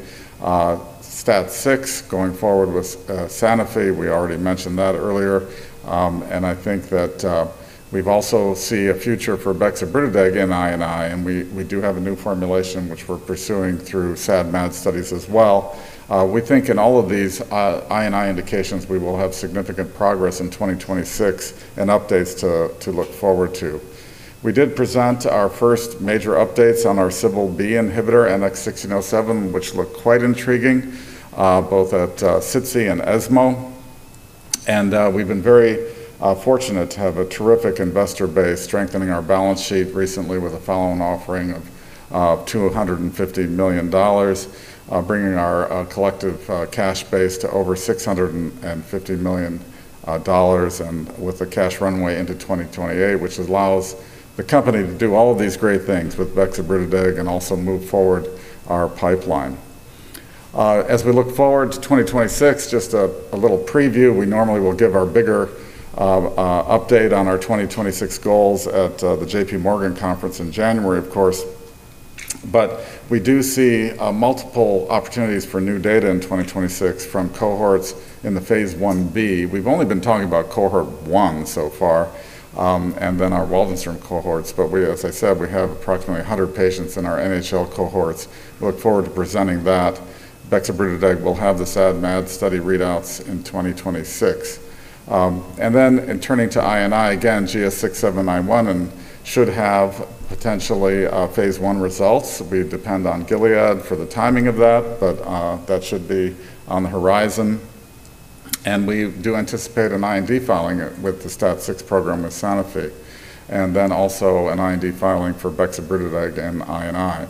S1: STAT6 going forward with Sanofi. We already mentioned that earlier. And I think that we've also seen a future for BTK and I&I, and we do have a new formulation which we're pursuing through SAD/MAD studies as well. We think in all of these I&I indications, we will have significant progress in 2026 and updates to look forward to. We did present our first major updates on our CBL-B inhibitor, NX-1607, which looked quite intriguing, both at SITC and ESMO. And we've been very fortunate to have a terrific investor base strengthening our balance sheet recently with a follow-on offering of $250 million, bringing our collective cash base to over $650 million and with a cash runway into 2028, which allows the company to do all of these great things with BexDeg and also move forward our pipeline. As we look forward to 2026, just a little preview, we normally will give our bigger update on our 2026 goals at the JPMorgan Conference in January, of course. But we do see multiple opportunities for new data in 2026 from cohorts in the phase I-B. We've only been talking about cohort 1 so far and then our Waldenstrom cohorts. But as I said, we have approximately 100 patients in our NHL cohorts. We look forward to presenting that. BexDeg will have the SAD/MAD study readouts in 2026. And then, in turning to I&I, again, GS-6791 should have potentially phase 1 results. We depend on Gilead for the timing of that, but that should be on the horizon. And we do anticipate an IND filing with the STAT6 program with Sanofi, and then also an IND filing for BexDeg and I&I.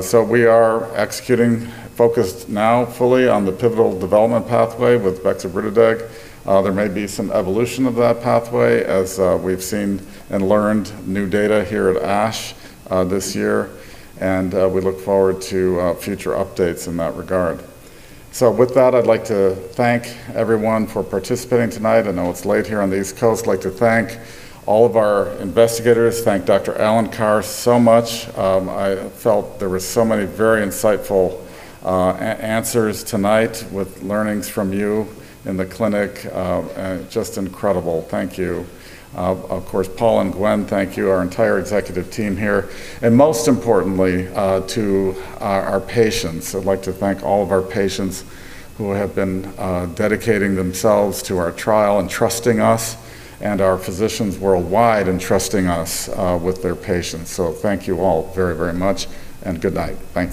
S1: So we are executing, focused now fully on the pivotal development pathway with BexDeg. There may be some evolution of that pathway as we've seen and learned new data here at ASH this year, and we look forward to future updates in that regard. So with that, I'd like to thank everyone for participating tonight. I know it's late here on the East Coast. I'd like to thank all of our investigators. Thank Dr. Alvaro Alencar so much. I felt there were so many very insightful answers tonight with learnings from you in the clinic. Just incredible. Thank you. Of course, Paul and Gwenn, thank you. Our entire executive team here, and most importantly, to our patients, I'd like to thank all of our patients who have been dedicating themselves to our trial and trusting us and our physicians worldwide and trusting us with their patients, so thank you all very, very much, and good night. Thanks.